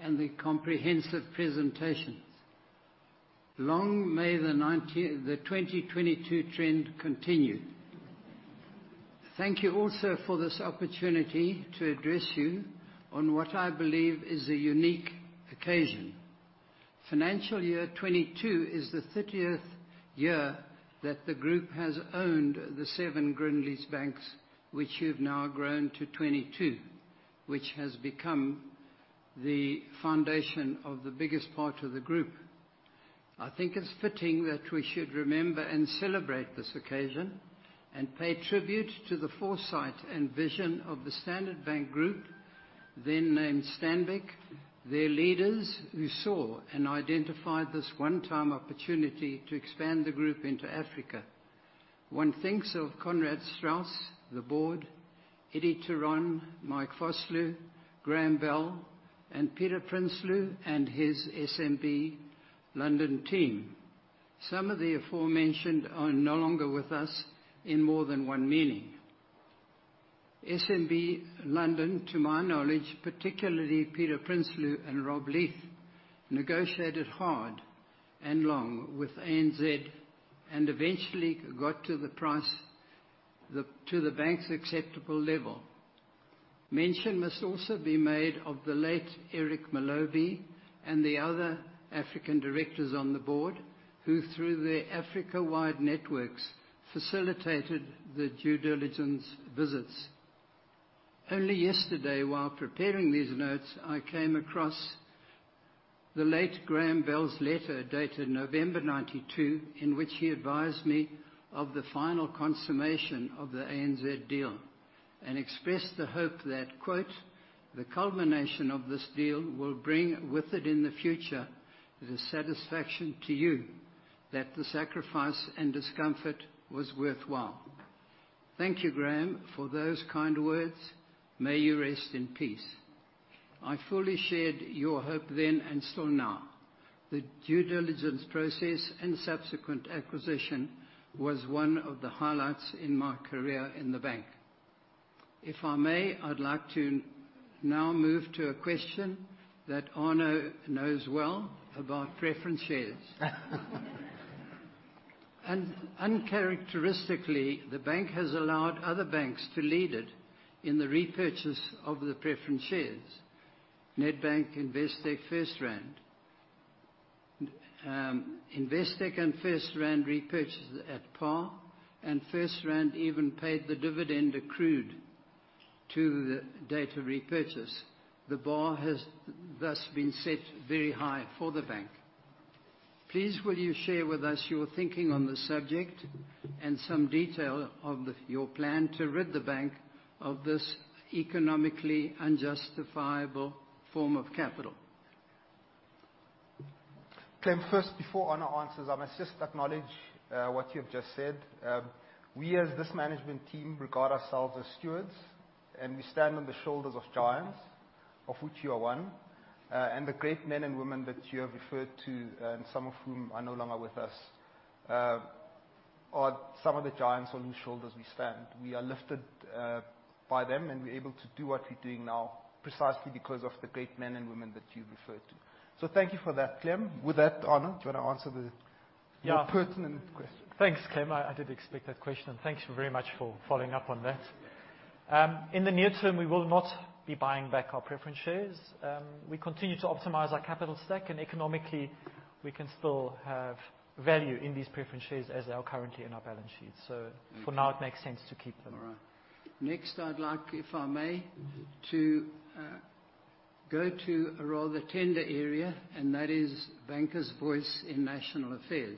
and the comprehensive presentation. Long may the 2022 trend continue. Thank you also for this opportunity to address you on what I believe is a unique occasion. Financial year 2022 is the thirtieth year that the group has owned the 7 Grindlays banks, which you've now grown to 2022, which has become the foundation of the biggest part of the group. I think it's fitting that we should remember and celebrate this occasion and pay tribute to the foresight and vision of the Standard Bank Group, then named Stanbic, their leaders who saw and identified this one-time opportunity to expand the group into Africa. One thinks of Konrad Strauss, the Board, Eddie Theron, Mike Vosloo, Graham Bell, and Peter Prinsloo and his SBM London team. Some of the aforementioned are no longer with us in more than one meaning. SBG London, to my knowledge, particularly Peter Prinsloo and Rob Leith, negotiated hard and long with ANZ and eventually got to the price to the bank's acceptable level. Mention must also be made of the late Eric Molobi and the other African directors on the board who, through their Africa-wide networks, facilitated the due diligence visits. Only yesterday, while preparing these notes, I came across the late Graham Bell's letter dated November 1992, in which he advised me of the final consummation of the ANZ deal and expressed the hope that, quote, "The culmination of this deal will bring with it in the future the satisfaction to you that the sacrifice and discomfort was worthwhile." Thank you, Graham, for those kind words. May you rest in peace. I fully shared your hope then and still now. The due diligence process and subsequent acquisition was one of the highlights in my career in the bank. If I may, I'd like to now move to a question that Arno knows well about preference shares. Uncharacteristically, the bank has allowed other banks to lead it in the repurchase of the preference shares. Nedbank, Investec, FirstRand. Investec and FirstRand repurchased it at par, and FirstRand even paid the dividend accrued to the date of repurchase. The bar has thus been set very high for the bank. Please will you share with us your thinking on the subject and some detail of your plan to rid the bank of this economically unjustifiable form of capital. Clem, first, before Arno answers, I must just acknowledge, what you have just said. We as this Management team regard ourselves as stewards, and we stand on the shoulders of giants, of which you are one. And the great men and women that you have referred to, and some of whom are no longer with us, are some of the giants on whose shoulders we stand. We are lifted, by them, and we're able to do what we're doing now precisely because of the great men and women that you referred to. Thank you for that, Clem. With that, Arno, do you want to answer Yeah. pertinent question? Thanks, Clem. I did expect that question, thank you very much for following up on that. In the near-term, we will not be buying back our preference shares. We continue to optimize our capital stack, economically we can still have value in these preference shares as they are currently in our balance sheets. For now, it makes sense to keep them. All right. Next, I'd like, if I may- Mm-hmm To go to a rather tender area. That is bankers' voice in national affairs.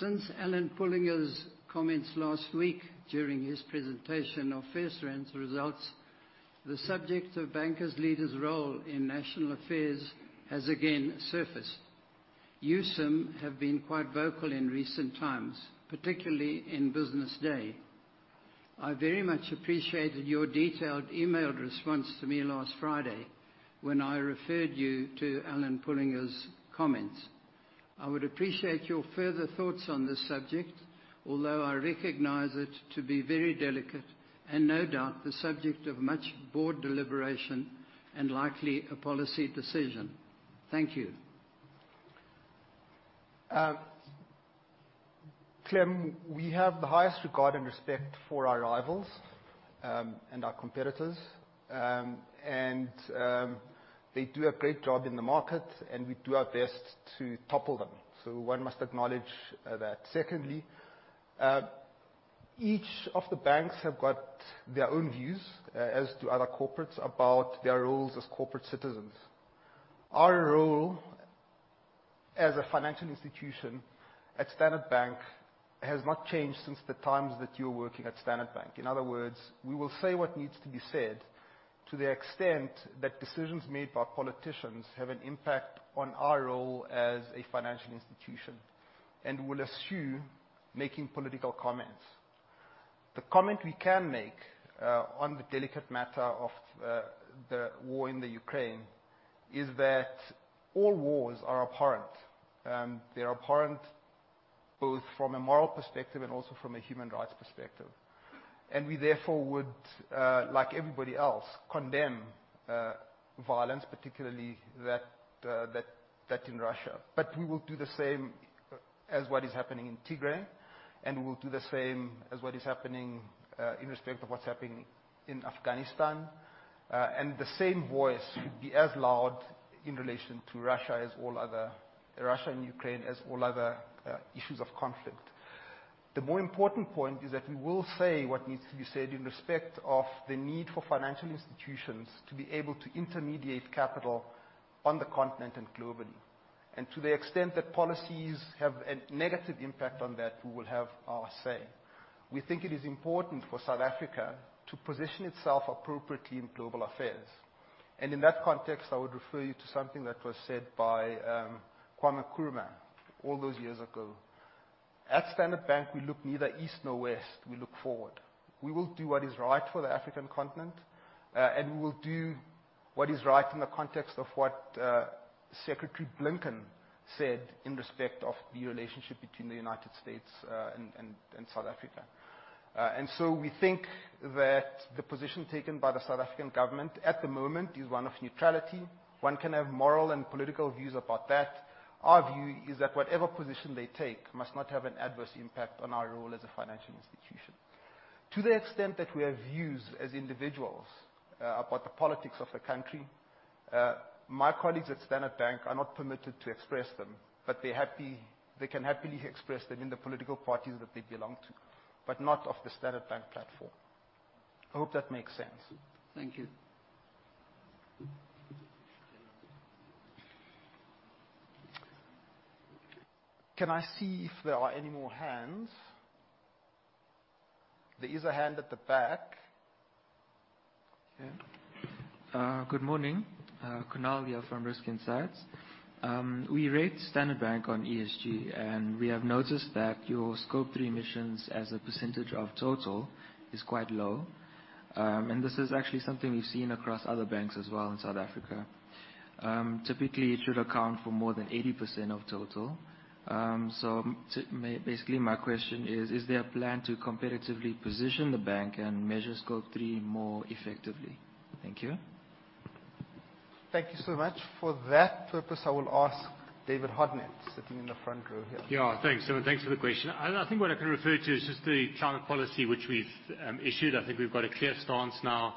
Since Alan Pullinger's comments last week during his presentation of FirstRand's results, the subject of bankers' leaders' role in national affairs has again surfaced. You, Sim, have been quite vocal in recent times, particularly in Business Day. I very much appreciated your detailed emailed response to me last Friday when I referred you to Alan Pullinger's comments. I would appreciate your further thoughts on this subject, although I recognize it to be very delicate and no doubt the subject of much board deliberation and likely a policy decision. Thank you. Clem, we have the highest regard and respect for our rivals and our competitors. They do a great job in the market, and we do our best to topple them. One must acknowledge that. Secondly, each of the banks have got their own views as do other corporates about their roles as corporate citizens. Our role as a financial institution at Standard Bank has not changed since the times that you were working at Standard Bank. In other words, we will say what needs to be said to the extent that decisions made by politicians have an impact on our role as a financial institution and will eschew making political comments. The comment we can make on the delicate matter of the war in the Ukraine is that all wars are abhorrent. They're abhorrent both from a moral perspective and also from a human rights perspective. We therefore would, like everybody else, condemn violence, particularly that in Russia. We will do the same as what is happening in Tigray, and we will do the same as what is happening in respect of what's happening in Afghanistan. The same voice would be as loud in relation to Russia as Russia and Ukraine as all other issues of conflict. The more important point is that we will say what needs to be said in respect of the need for financial institutions to be able to intermediate capital on the continent and globally. To the extent that policies have a negative impact on that, we will have our say. We think it is important for South Africa to position itself appropriately in global affairs. In that context, I would refer you to something that was said by Kwame Nkrumah all those years ago. At Standard Bank, we look neither east nor west. We look forward. We will do what is right for the African continent, and we will do what is right in the context of what Secretary Blinken said in respect of the relationship between the United States and South Africa. We think that the position taken by the South African government at the moment is one of neutrality. One can have moral and political views about that. Our view is that whatever position they take must not have an adverse impact on our role as a financial institution. To the extent that we have views as individuals, about the politics of the country, my colleagues at Standard Bank are not permitted to express them, but they can happily express them in the political parties that they belong to, but not off the Standard Bank platform. I hope that makes sense. Thank you. Can I see if there are any more hands? There is a hand at the back. Okay. Good morning. Kunal here from Risk Insights. We rate Standard Bank on ESG, we have noticed that your Scope 3 emissions as a percentage of total is quite low. This is actually something we've seen across other banks as well in South Africa. Typically, it should account for more than 80% of total. Basically, my question is there a plan to competitively position the bank and measure Scope 3 more effectively? Thank you. Thank you so much. For that purpose, I will ask David Hodnett, sitting in the front row here. Yeah. Thanks. Thanks for the question. I think what I can refer to is just the climate policy which we've issued. I think we've got a clear stance now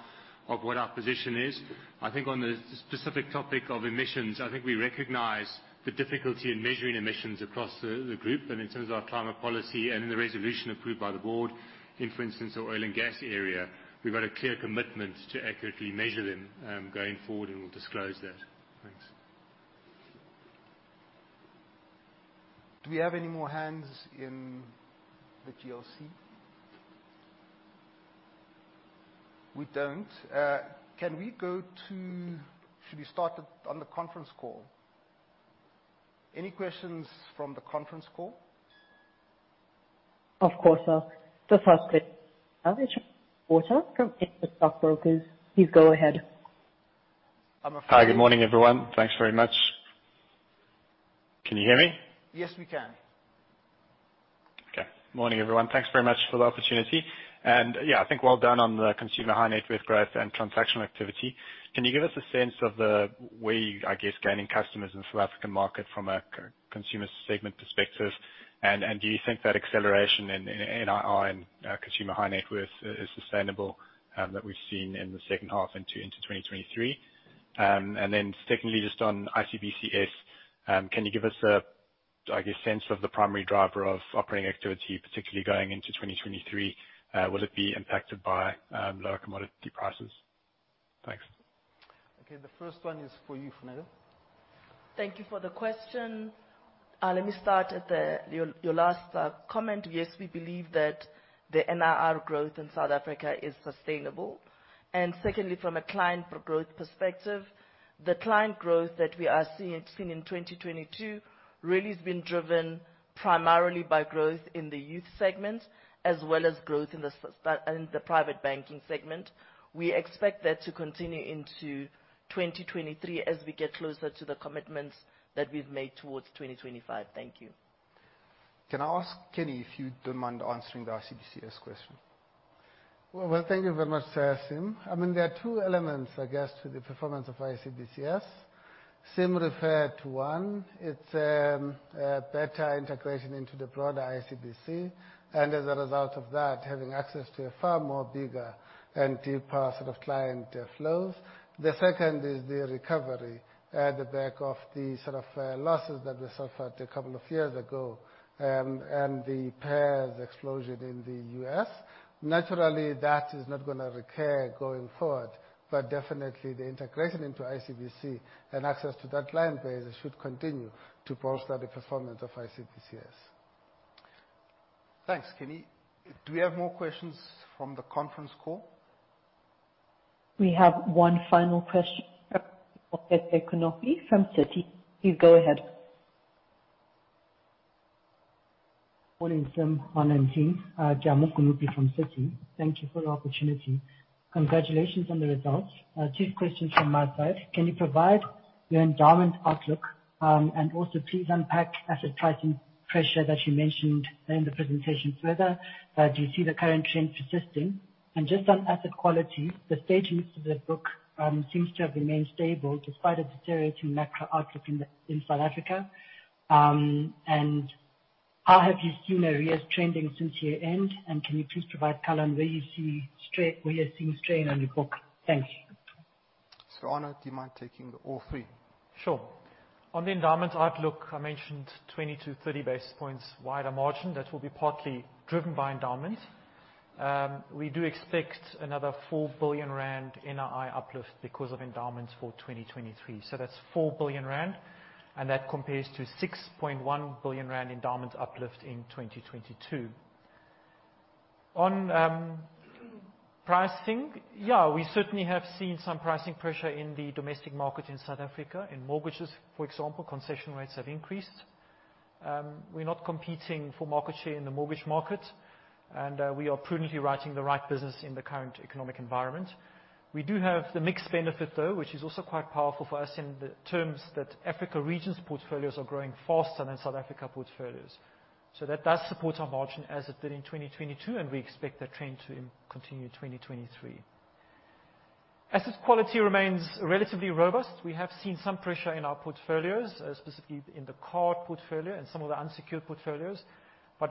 of what our position is. I think on the specific topic of emissions, I think we recognize the difficulty in measuring emissions across the group. In terms of our climate policy and the resolution approved by the board, in, for instance, the oil and gas area, we've got a clear commitment to accurately measure them going forward, and we'll disclose that. Thanks. Do we have any more hands in the GLC? We don't. Should we start on the conference call? Any questions from the conference call? Of course, sir. The first is [Distorted]. Please go ahead. Hi, good morning, everyone. Thanks very much. Can you hear me? Yes, we can. Okay. Morning, everyone. Thanks very much for the opportunity. Yeah, I think well done on the Consumer High Net Worth growth and transactional activity. Can you give us a sense of the way, I guess, gaining customers in South African market from a consumer segment perspective? Do you think that acceleration in NII and Consumer High Net Worth is sustainable that we've seen in the second half into 2023? Secondly, just on ICBCS, can you give us a, I guess, sense of the primary driver of operating activity, particularly going into 2023? Will it be impacted by lower commodity prices? Thanks. Okay. The first one is for you, Funeka. Thank you for the question. Let me start at the, your last comment. Yes, we believe that the NIR growth in South Africa is sustainable. Secondly, from a client pro-growth perspective, the client growth that we are seeing in 2022 really has been driven primarily by growth in the Youth segment as well as growth in the Private Banking segment. We expect that to continue into 2023 as we get closer to the commitments that we've made towards 2025. Thank you. Can I ask Kenny if you don't mind answering the ICBCS question? Well, thank you very much, sir Sim. I mean, there are two elements, I guess, to the performance of ICBCS. Sim referred to one. It's better integration into the broader ICBC, and as a result of that, having access to a far more bigger and deeper sort of client flows. The second is the recovery at the back of the sort of losses that we suffered a couple of years ago, and the pairs explosion in the U.S. Naturally, that is not gonna recur going forward, but definitely the integration into ICBC and access to that client base should continue to bolster the performance of ICBCS. Thanks, Kenny. Do we have more questions from the conference call? We have one final question. Okay. From Citi. Please go ahead. Morning, Sim, Arno, and team. Jamu Kunupi from Citi. Thank you for the opportunity. Congratulations on the results. Two questions from my side. Can you provide your endowment outlook? Also please unpack asset pricing pressure that you mentioned in the presentation further. Do you see the current trends persisting? Just on asset quality, the statements of the book seems to have remained stable despite a deteriorating macro outlook in South Africa. How have you seen arrears trending since year-end? Can you please provide color on where you're seeing strain on your book? Thank you. Arno, do you mind taking all three? Sure. On the endowments outlook, I mentioned 20-30 basis points wider margin. That will be partly driven by endowments. We do expect another 4 billion rand NII uplift because of endowments for 2023. That's 4 billion rand, and that compares to 6.1 billion rand endowments uplift in 2022. On pricing, we certainly have seen some pricing pressure in the domestic market in South Africa. In mortgages, for example, concession rates have increased. We're not competing for market share in the mortgage market, and we are prudently writing the right business in the current economic environment. We do have the mixed benefit, though, which is also quite powerful for us in the terms that Africa regions portfolios are growing faster than South Africa portfolios. That does support our margin as it did in 2022, and we expect that trend to continue 2023. Asset quality remains relatively robust. We have seen some pressure in our portfolios, specifically in the card portfolio and some of the unsecured portfolios.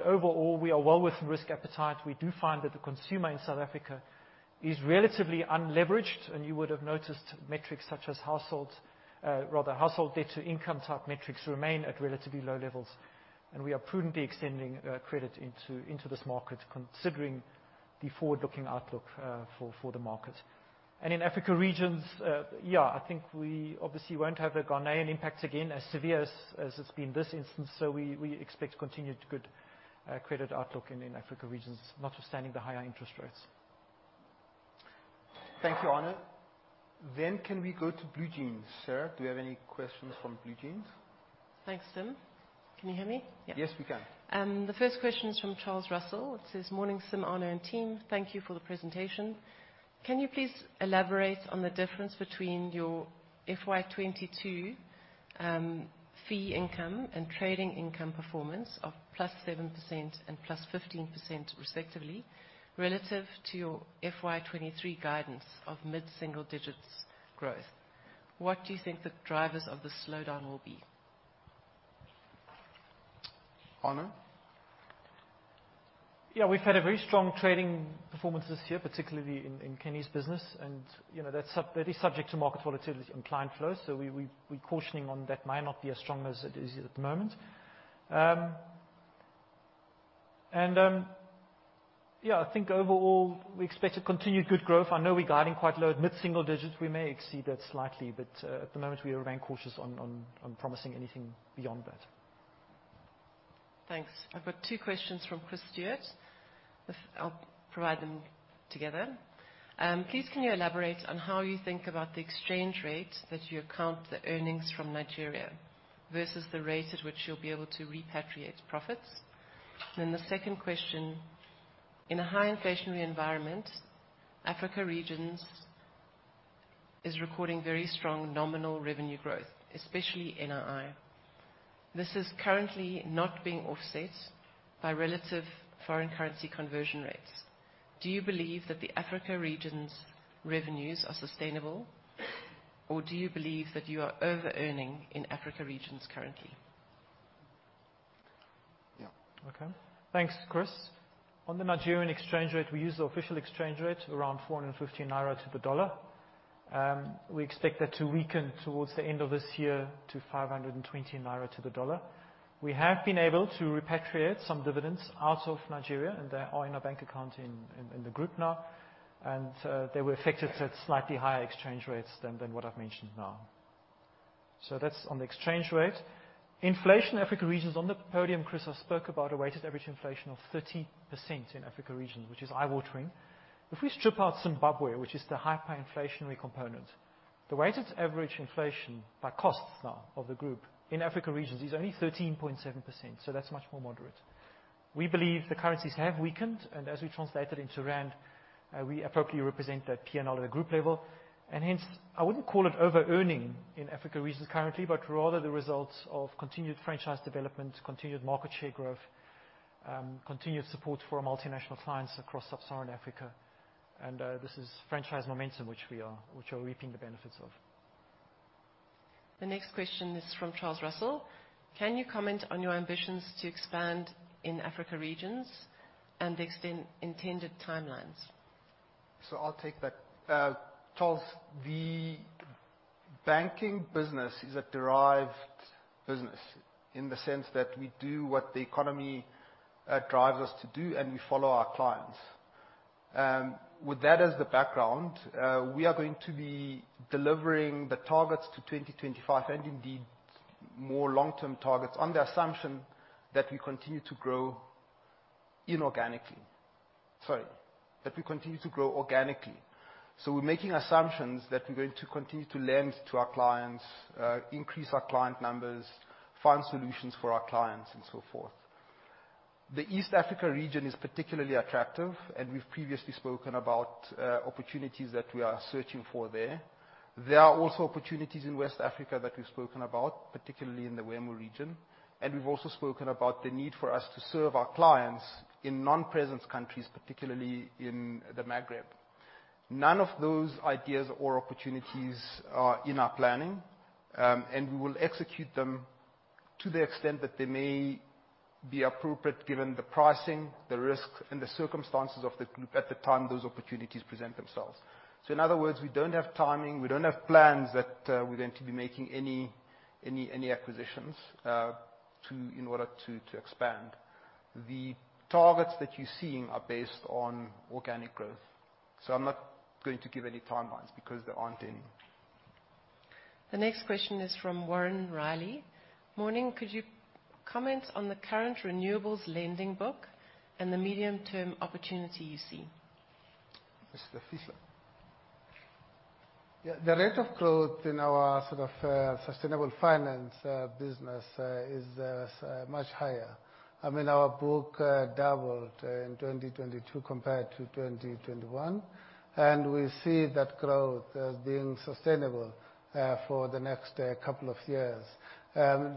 Overall, we are well within risk appetite. We do find that the consumer in South Africa is relatively unleveraged, and you would have noticed metrics such as households, rather household debt-to-income type metrics remain at relatively low levels. We are prudently extending credit into this market, considering the forward-looking outlook for the market. In Africa regions, I think we obviously won't have the Ghanaian impacts again as severe as it's been this instance. We expect continued good credit outlook in Africa regions, notwithstanding the higher interest rates. Thank you, Arno. Can we go to BlueJeans? Sarah, do you have any questions from BlueJeans? Thanks, Sim. Can you hear me? Yeah. Yes, we can. The first question is from Charles Russell. It says. Morning, Sim, Arno, and team. Thank you for the presentation. Can you please elaborate on the difference between your FY 2022 fee income and trading income performance of +7% and +15% respectively, relative to your FY 2023 guidance of mid-single digits growth? What do you think the drivers of this slowdown will be? Arno? Yeah. We've had a very strong trading performance this year, particularly in Kenny's business, and, you know, that is subject to market volatility and client flow. We cautioning on that might not be as strong as it is at the moment. Yeah, I think overall we expect to continue good growth. I know we're guiding quite low at mid-single-digits. We may exceed that slightly, but, at the moment we remain cautious on promising anything beyond that. Thanks. I've got two questions from Chris Stewart. I'll provide them together. Please can you elaborate on how you think about the exchange rate that you account the earnings from Nigeria versus the rate at which you'll be able to repatriate profits? The second question, in a high inflationary environment, Africa regions is recording very strong nominal revenue growth, especially NII. This is currently not being offset by relative foreign currency conversion rates. Do you believe that the Africa regions revenues are sustainable, or do you believe that you are overearning in Africa regions currently? Okay. Thanks, Chris. The Nigerian exchange rate, we use the official exchange rate around 450 naira to the dollar. We expect that to weaken towards the end of this year to 520 naira to the dollar. We have been able to repatriate some dividends out of Nigeria, they are in our bank account in the group now. They were affected at slightly higher exchange rates than what I've mentioned now. That's on the exchange rate. Inflation Africa regions, on the podium, Chris, I spoke about a weighted average inflation of 30% in Africa regions, which is eye-watering. If we strip out Zimbabwe, which is the hyperinflationary component, the weighted average inflation by cost now of the group in Africa regions is only 13.7%, that's much more moderate. We believe the currencies have weakened. As we translate that into rand, we appropriately represent that P&L at the group level. I wouldn't call it overearning in Africa regions currently, but rather the results of continued franchise development, continued market share growth, continued support for our multinational clients across sub-Saharan Africa. This is franchise momentum which we're reaping the benefits of. The next question is from Charles Russell. Can you comment on your ambitions to expand in Africa regions and intended timelines? I'll take that. Charles, the Banking business is a derived business in the sense that we do what the economy drives us to do, and we follow our clients. With that as the background, we are going to be delivering the targets to 2025 and indeed more long-term targets on the assumption that we continue to grow inorganically. Sorry, that we continue to grow organically. We're making assumptions that we're going to continue to lend to our clients, increase our client numbers, find solutions for our clients and so forth. The East Africa region is particularly attractive, and we've previously spoken about opportunities that we are searching for there. There are also opportunities in West Africa that we've spoken about, particularly in the MO region. We've also spoken about the need for us to serve our clients in non-presence countries, particularly in the Maghreb. None of those ideas or opportunities are in our planning. We will execute them to the extent that they may be appropriate given the pricing, the risk and the circumstances of the group at the time those opportunities present themselves. In other words, we don't have timing, we don't have plans that we're going to be making any acquisitions in order to expand. The targets that you're seeing are based on organic growth. I'm not going to give any timelines because there aren't any. The next question is from Warren Riley. Morning, could you comment on the current renewables lending book and the medium-term opportunity you see? Mr. Fihla. Yeah. The rate of growth in our sort of sustainable finance business is much higher. I mean, our book doubled in 2022 compared to 2021, and we see that growth as being sustainable for the next couple of years.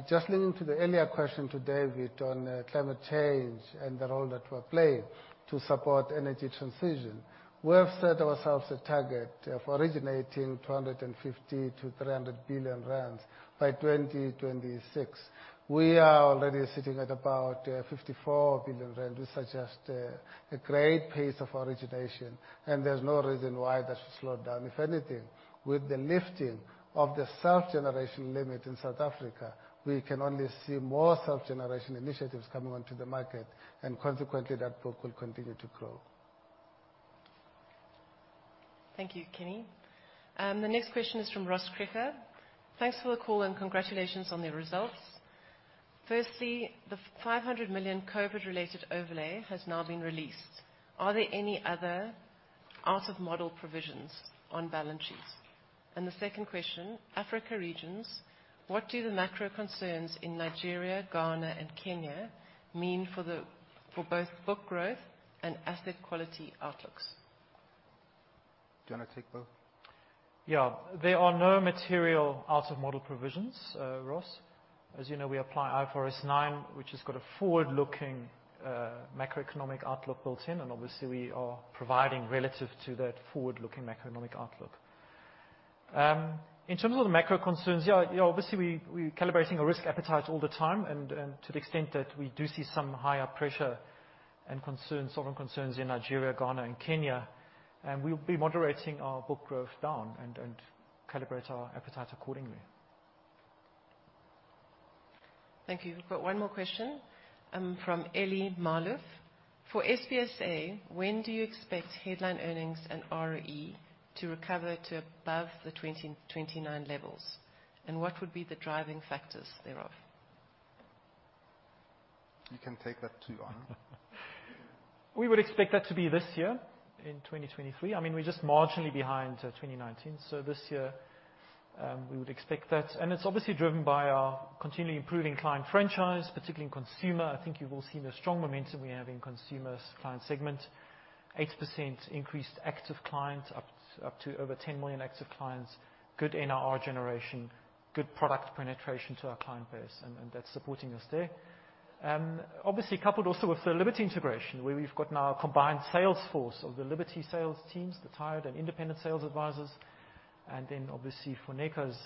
Just linking to the earlier question to David on climate change and the role that we're playing to support energy transition, we have set ourselves a target for originating 250 billion-300 billion rand by 2026. We are already sitting at about 54 billion rand. We suggest a great pace of origination, and there's no reason why that should slow down. If anything, with the lifting of the self-generation limit in South Africa, we can only see more self-generation initiatives coming onto the market, and consequently, that book will continue to grow. Thank you, Kenny. The next question is from Ross Kreher. Thanks for the call and congratulations on the results. Firstly, the 500 million COVID-related overlay has now been released. Are there any other out of model provisions on balance sheets? The second question, Africa regions, what do the macro concerns in Nigeria, Ghana, and Kenya mean for both book growth and asset quality outlooks? Do you wanna take both? Yeah. There are no material out of model provisions, Ross. As you know, we apply IFRS 9, which has got a forward-looking, macroeconomic outlook built in. Obviously, we are providing relative to that forward-looking macroeconomic outlook. In terms of the macro concerns, you know, obviously we're calibrating our risk appetite all the time, and to the extent that we do see some higher pressure and concerns, sovereign concerns in Nigeria, Ghana, and Kenya, we'll be moderating our book growth down and calibrate our appetite accordingly. Thank you. We've got one more question, from Eyal Maloof. For SBSA, when do you expect headline earnings and ROE to recover to above the 2029 levels, and what would be the driving factors thereof? You can take that too, Arno. We would expect that to be this year in 2023. I mean, we're just marginally behind 2019. This year, we would expect that. It's obviously driven by our continually improving client franchise, particularly in consumer. I think you've all seen the strong momentum we have in consumer's client segment. 8% increased active clients, up to over 10 million active clients. Good NRR generation, good product penetration to our client base and that's supporting us there. Obviously coupled also with the Liberty integration, where we've got now a combined sales force of the Liberty sales teams, the tiered and independent sales advisors. Obviously for Funeka's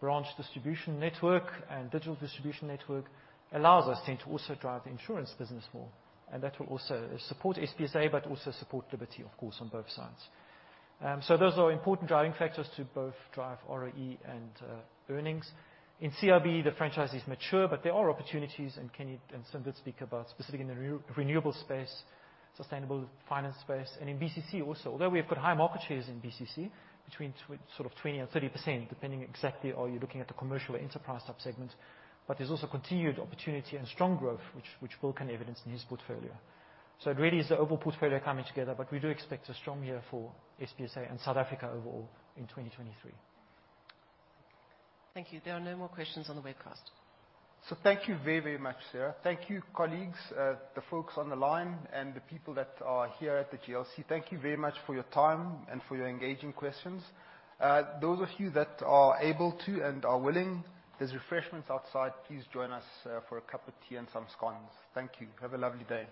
branch distribution network and digital distribution network allows us then to also drive the Insurance business more. That will also support SBSA but also support Liberty, of course, on both sides. Those are important driving factors to both drive ROE and earnings. In CIB, the franchise is mature, but there are opportunities, and Kenny and Sindhu speak about specifically in the renewable space, sustainable finance space, and in BCC also. Although we have got high market shares in BCC, between sort of 20% and 30%, depending exactly are you looking at the Commercial or Enterprise sub-segments. There's also continued opportunity and strong growth, which Wil can evidence in his portfolio. It really is the overall portfolio coming together. We do expect a strong year for SBSA and South Africa overall in 2023. Thank you. There are no more questions on the webcast. Thank you very, very much, Sarah. Thank you, colleagues, the folks on the line and the people that are here at the GLC. Thank you very much for your time and for your engaging questions. Those of you that are able to and are willing, there's refreshments outside. Please join us for a cup of tea and some scones. Thank you. Have a lovely day.